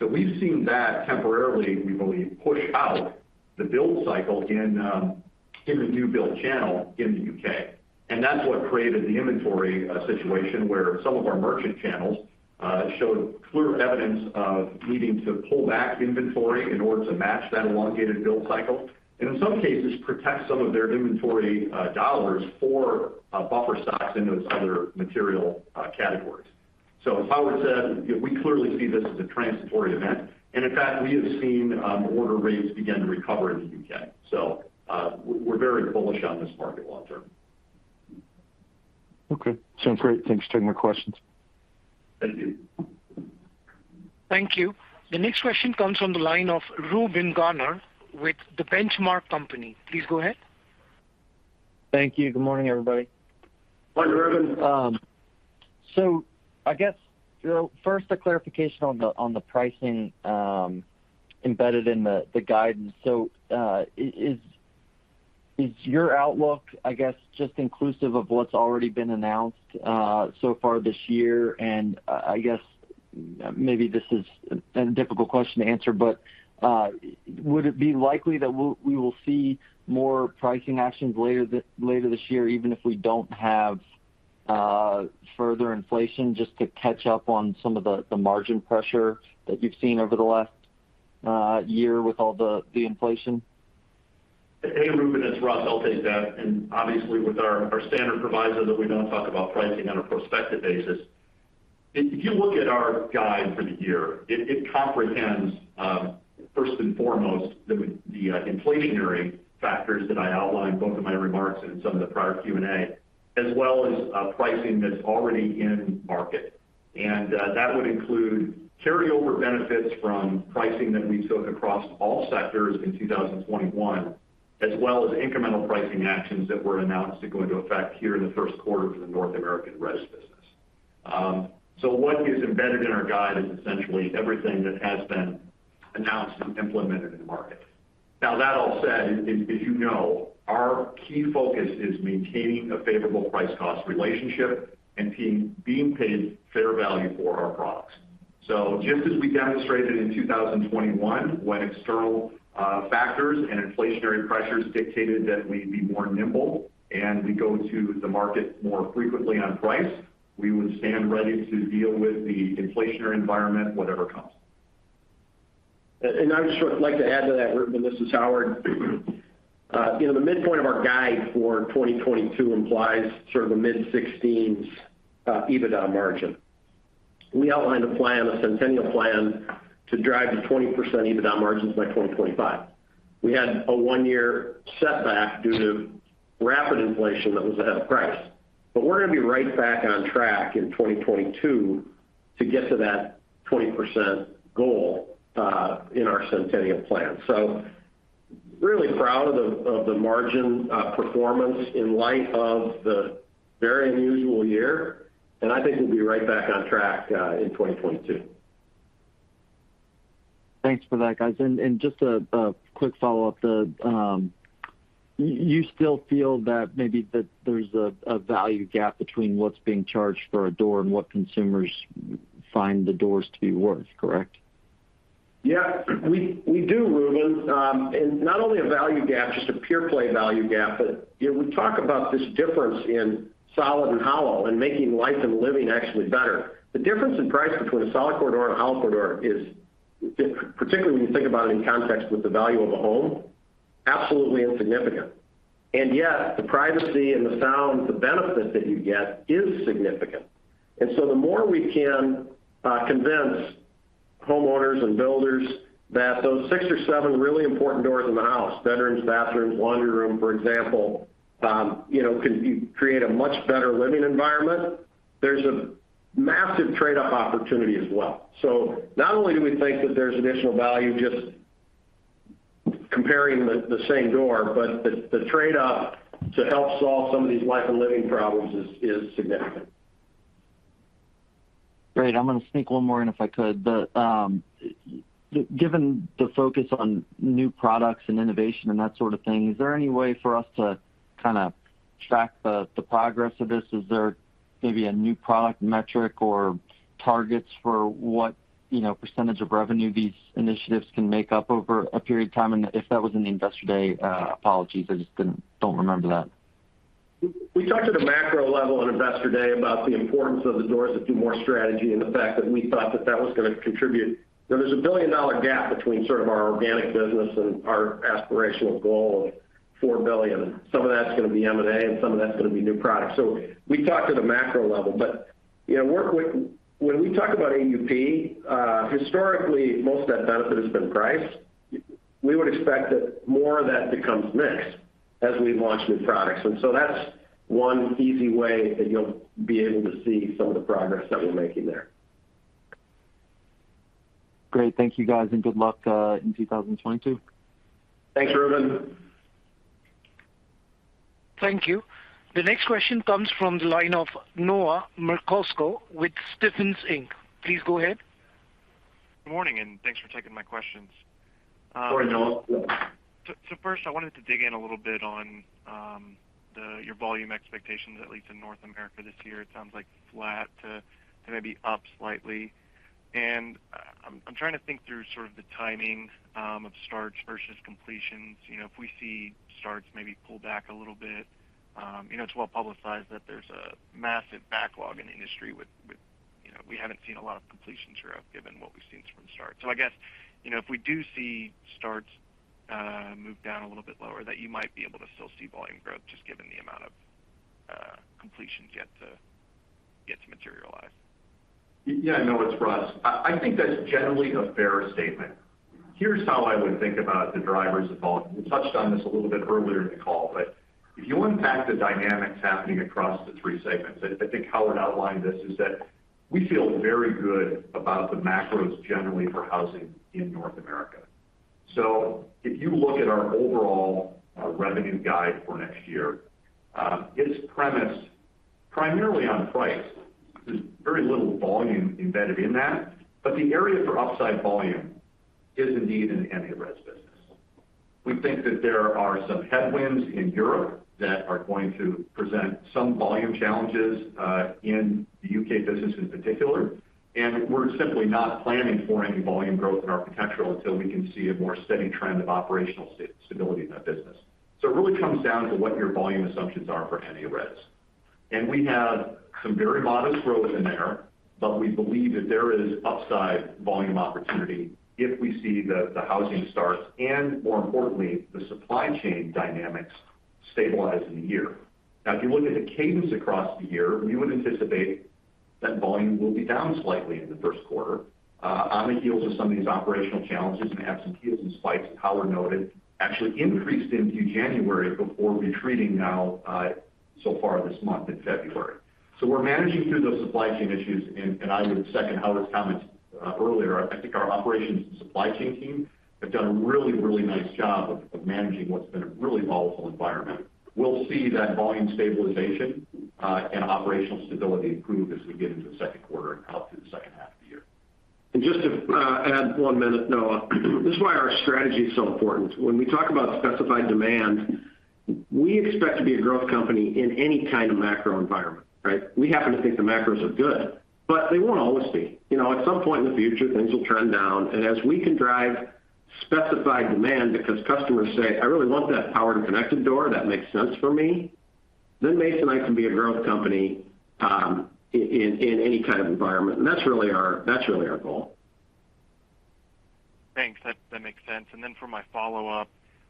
Speaker 4: We've seen that temporarily, we believe, push out the build cycle in the new build channel in the U.K. That's what created the inventory situation where some of our merchant channels showed clear evidence of needing to pull back inventory in order to match that elongated build cycle, and in some cases, protect some of their inventory dollars for buffer stocks into its other material categories. As Howard said, we clearly see this as a transitory event. In fact, we have seen order rates begin to recover in the U.K. We're very bullish on this market long term.
Speaker 8: Okay. Sounds great. Thanks for taking my questions.
Speaker 4: Thank you.
Speaker 1: Thank you. The next question comes from the line of Reuben Garner with The Benchmark Co. Please go ahead.
Speaker 9: Thank you. Good morning, everybody.
Speaker 4: Morning, Reuben.
Speaker 9: I guess, you know, first a clarification on the pricing embedded in the guidance. Is your outlook, I guess, just inclusive of what's already been announced so far this year? I guess maybe this is a difficult question to answer, but would it be likely that we will see more pricing actions later this year, even if we don't have further inflation just to catch up on some of the margin pressure that you've seen over the last year with all the inflation?
Speaker 4: Hey, Reuben, it's Russ. I'll take that. Obviously, with our standard proviso that we don't talk about pricing on a prospective basis. If you look at our guide for the year, it comprehends first and foremost the inflationary factors that I outlined both in my remarks and in some of the prior Q&A, as well as pricing that's already in market. That would include carryover benefits from pricing that we took across all sectors in 2021, as well as incremental pricing actions that were announced to go into effect here in the first quarter for the North American Res business. What is embedded in our guide is essentially everything that has been announced and implemented in the market. Now that all said, as you know, our key focus is maintaining a favorable price-cost relationship and being paid fair value for our products. Just as we demonstrated in 2021, when external factors and inflationary pressures dictated that we be more nimble and we go to the market more frequently on price, we would stand ready to deal with the inflationary environment, whatever comes.
Speaker 3: I just would like to add to that, Reuben. This is Howard. You know, the midpoint of our guide for 2022 implies sort of a mid-16s EBITDA margin. We outlined a plan, a Centennial Plan to drive to 20% EBITDA margins by 2025. We had a one-year setback due to rapid inflation that was ahead of price. We're gonna be right back on track in 2022 to get to that 20% goal in our Centennial Plan. Really proud of the margin performance in light of the very unusual year. I think we'll be right back on track in 2022.
Speaker 9: Thanks for that, guys. Just a quick follow-up. You still feel that maybe that there's a value gap between what's being charged for a door and what consumers find the doors to be worth, correct?
Speaker 3: Yeah, we do, Reuben. Not only a value gap, just a pure play value gap, but you know, we talk about this difference in solid and hollow and making life and living actually better. The difference in price between a solid core door and a hollow core door is, particularly when you think about it in context with the value of a home, absolutely insignificant. Yet the privacy and the sound, the benefit that you get is significant. The more we can convince homeowners and builders that those six or seven really important doors in the house, bedrooms, bathrooms, laundry room, for example, you know, can create a much better living environment, there's a massive trade-up opportunity as well. Not only do we think that there's additional value just comparing the same door, but the trade up to help solve some of these life and living problems is significant.
Speaker 9: Great. I'm gonna sneak one more in, if I could. Given the focus on new products and innovation and that sort of thing, is there any way for us to kinda track the progress of this? Is there maybe a new product metric or targets for what, you know, percentage of revenue these initiatives can make up over a period of time? And if that was in the Investor Day, apologies, I just don't remember that.
Speaker 3: We talked at a macro level on Investor Day about the importance of the Doors That Do More strategy and the fact that we thought that that was gonna contribute. Now, there's a billion-dollar gap between sort of our organic business and our aspirational goal of $4 billion. Some of that's gonna be M&A, and some of that's gonna be new products. We talk at the macro level. You know, when we talk about AUP, historically, most of that benefit has been priced. We would expect that more of that becomes mixed as we launch new products. That's one easy way that you'll be able to see some of the progress that we're making there.
Speaker 9: Great. Thank you, guys, and good luck in 2022.
Speaker 3: Thanks, Reuben.
Speaker 1: Thank you. The next question comes from the line of Noah Merkousko with Stephens Inc. Please go ahead.
Speaker 10: Good morning, and thanks for taking my questions.
Speaker 4: Good morning, Noah.
Speaker 10: First I wanted to dig in a little bit on your volume expectations, at least in North America this year. It sounds like flat to maybe up slightly? I'm trying to think through sort of the timing of starts versus completions. You know, if we see starts maybe pull back a little bit, you know, it's well-publicized that there's a massive backlog in the industry with you know, we haven't seen a lot of completions here given what we've seen from the start. I guess, you know, if we do see starts move down a little bit lower, that you might be able to still see volume growth just given the amount of completions yet to materialize.
Speaker 4: Yeah, Noah, it's Russ. I think that's generally a fair statement. Here's how I would think about the drivers involved. We touched on this a little bit earlier in the call, but if you unpack the dynamics happening across the three segments, I think how I'd outline this is that we feel very good about the macros generally for housing in North America. If you look at our overall revenue guide for next year, it is premised primarily on price. There's very little volume embedded in that. The area for upside volume is indeed in the NA Res business. We think that there are some headwinds in Europe that are going to present some volume challenges in the U.K. business in particular. We're simply not planning for any volume growth in architectural until we can see a more steady trend of operational stability in that business. It really comes down to what your volume assumptions are for NA Res. We have some very modest growth in there, but we believe that there is upside volume opportunity if we see the housing starts and more importantly, the supply chain dynamics stabilize in the year. Now if you look at the cadence across the year, we would anticipate that volume will be down slightly in the first quarter, on the heels of some of these operational challenges and absentees and spikes as Howard noted, actually increased into January before retreating now, so far this month in February. We're managing through those supply chain issues, and I would second Howard's comment earlier. I think our operations and supply chain team have done a really nice job of managing what's been a really volatile environment. We'll see that volume stabilization and operational stability improve as we get into the second quarter and out through the second half of the year.
Speaker 3: Just to add one minute, Noah. This is why our strategy is so important. When we talk about specified demand, we expect to be a growth company in any kind of macro environment, right? We happen to think the macros are good, but they won't always be. You know, at some point in the future, things will trend down. As we can drive specified demand because customers say, "I really want that powered and connected door. That makes sense for me," then Masonite can be a growth company, in any kind of environment. That's really our goal.
Speaker 10: Thanks. That makes sense. For my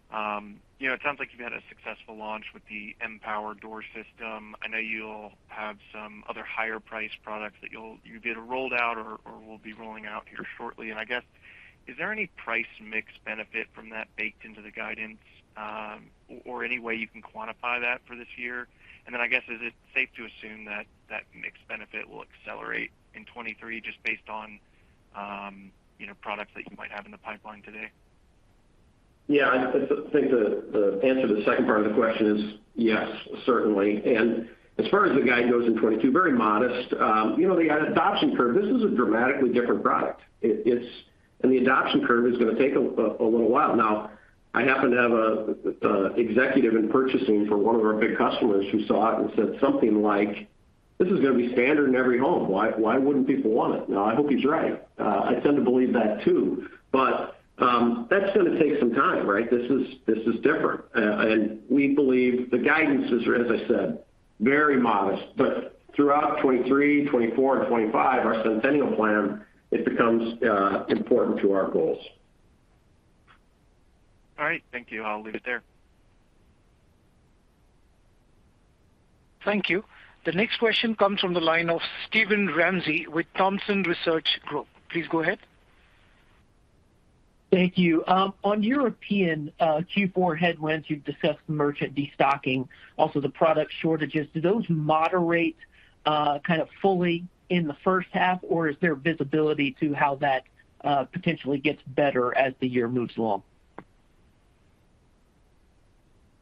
Speaker 10: follow-up, you know, it sounds like you've had a successful launch with the M-Pwr door system. I know you'll have some other higher priced products that you'll get rolled out or will be rolling out here shortly. I guess, is there any price mix benefit from that baked into the guidance, or any way you can quantify that for this year? I guess, is it safe to assume that mix benefit will accelerate in 2023 just based on, you know, products that you might have in the pipeline today?
Speaker 3: Yeah. I think the answer to the second part of the question is yes, certainly. As far as the guidance goes in 2022, very modest. You know, the adoption curve, this is a dramatically different product. The adoption curve is gonna take a little while. I happen to have an executive in purchasing for one of our big customers who saw it and said something like, "This is gonna be standard in every home. Why wouldn't people want it?" I hope he's right. I tend to believe that too. That's gonna take some time, right? This is different. We believe the guidances are, as I said, very modest. Throughout 2023, 2024 and 2025, our Centennial Plan, it becomes important to our goals.
Speaker 10: All right. Thank you. I'll leave it there.
Speaker 1: Thank you. The next question comes from the line of Steven Ramsey with Thompson Research Group. Please go ahead.
Speaker 11: Thank you. On European, Q4 headwinds, you've discussed merchant destocking, also the product shortages. Do those moderate, kind of fully in the first half, or is there visibility to how that potentially gets better as the year moves along?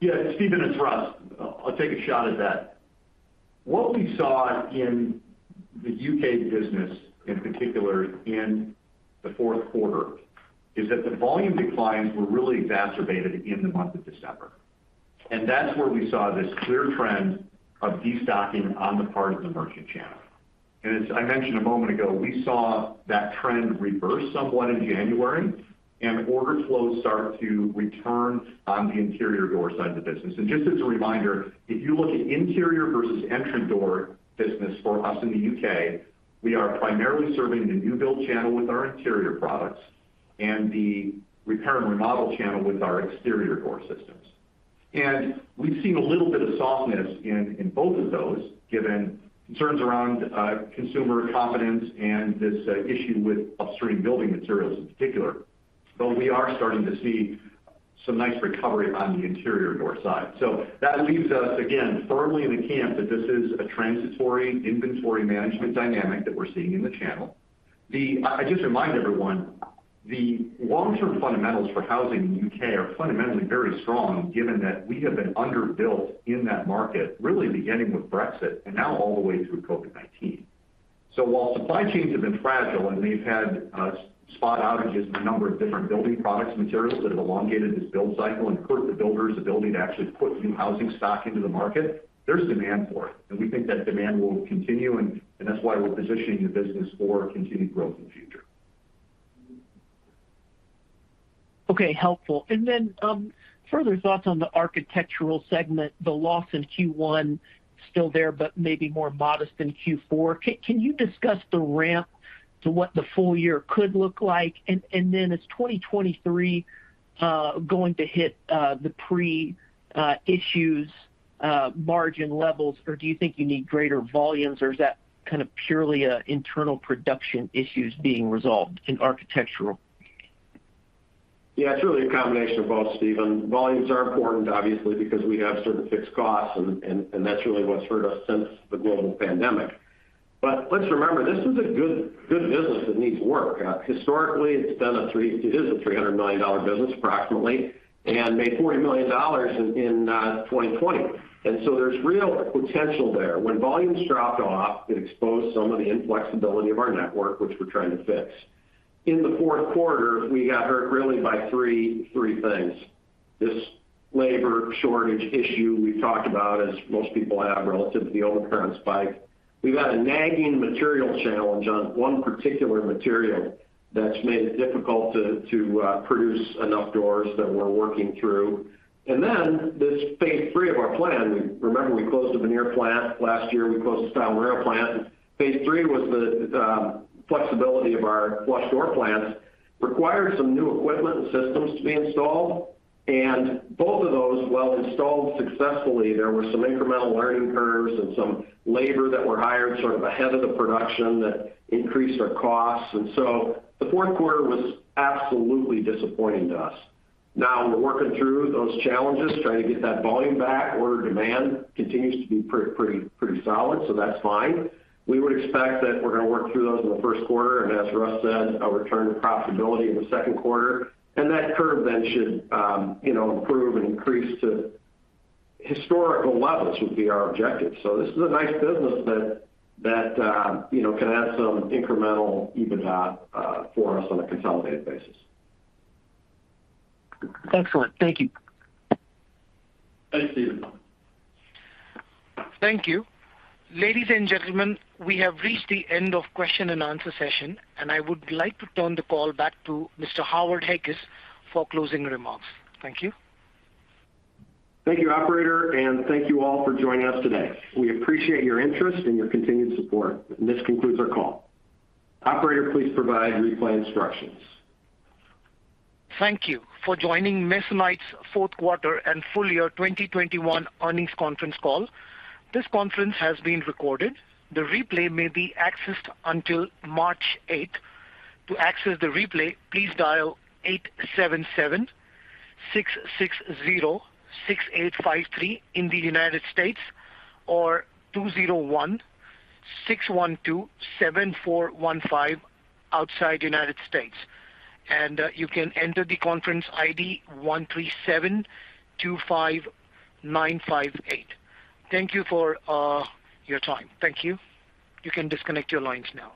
Speaker 4: Yeah. Steven, it's Russ. I'll take a shot at that. What we saw in the U.K. business, in particular in the fourth quarter, is that the volume declines were really exacerbated in the month of December. That's where we saw this clear trend of destocking on the part of the merchant channel. As I mentioned a moment ago, we saw that trend reverse somewhat in January, and order flows start to return on the interior door side of the business. Just as a reminder, if you look at interior versus entrance door business for us in the U.K., we are primarily serving the new build channel with our interior products and the repair and remodel channel with our exterior door systems. We've seen a little bit of softness in both of those, given concerns around consumer confidence and this issue with upstream building materials in particular. We are starting to see some nice recovery on the interior door side. That leaves us, again, firmly in the camp that this is a transitory inventory management dynamic that we're seeing in the channel. I just remind everyone, the long-term fundamentals for housing in the U.K. are fundamentally very strong, given that we have been underbuilt in that market, really beginning with Brexit and now all the way through COVID-19. While supply chains have been fragile and they've had spot outages in a number of different building products and materials that have elongated this build cycle and hurt the builders' ability to actually put new housing stock into the market, there's demand for it. We think that demand will continue, and that's why we're positioning the business for continued growth in the future.
Speaker 11: Okay. Helpful. Further thoughts on the Architectural segment, the loss in Q1 still there, but maybe more modest than Q4. Can you discuss the ramp to what the full year could look like? Is 2023 going to hit the pre-issues margin levels, or do you think you need greater volumes, or is that kind of purely internal production issues being resolved in Architectural?
Speaker 3: Yeah, it's really a combination of both, Steven. Volumes are important, obviously, because we have certain fixed costs and that's really what's hurt us since the global pandemic. Let's remember, this is a good business that needs work. Historically, it's been a $300 million business, approximately, and made $40 million in 2020. There's real potential there. When volumes dropped off, it exposed some of the inflexibility of our network, which we're trying to fix. In the fourth quarter, we got hurt really by three things. This labor shortage issue we've talked about, as most people have relative to the overtime spike. We've had a nagging material challenge on one particular material that's made it difficult to produce enough doors that we're working through. Then this phase three of our plan. We remember we closed the veneer plant last year. We closed the [Springfield, Missouri] plant. Phase three was the flexibility of our flush door plants required some new equipment and systems to be installed. Both of those, while installed successfully, there were some incremental learning curves and some labor that were hired sort of ahead of the production that increased our costs. The fourth quarter was absolutely disappointing to us. Now we're working through those challenges, trying to get that volume back. Order demand continues to be pretty solid, so that's fine. We would expect that we're gonna work through those in the first quarter, and as Russ said, a return to profitability in the second quarter. That curve then should improve and increase to historical levels, would be our objective. This is a nice business that you know can add some incremental EBITDA for us on a consolidated basis.
Speaker 11: Excellent. Thank you.
Speaker 3: Thanks, Steven.
Speaker 1: Thank you. Ladies and gentlemen, we have reached the end of question-and-answer session, and I would like to turn the call back to Mr. Howard Heckes for closing remarks. Thank you.
Speaker 3: Thank you, operator, and thank you all for joining us today. We appreciate your interest and your continued support. This concludes our call. Operator, please provide replay instructions.
Speaker 1: Thank you for joining Masonite's fourth quarter and full year 2021 earnings conference call. This conference has been recorded. The replay may be accessed until March 8. To access the replay, please dial 877-660-6853 in the United States, or 201-612-7415 outside United States. You can enter the conference ID 13725958. Thank you for your time. Thank you. You can disconnect your lines now.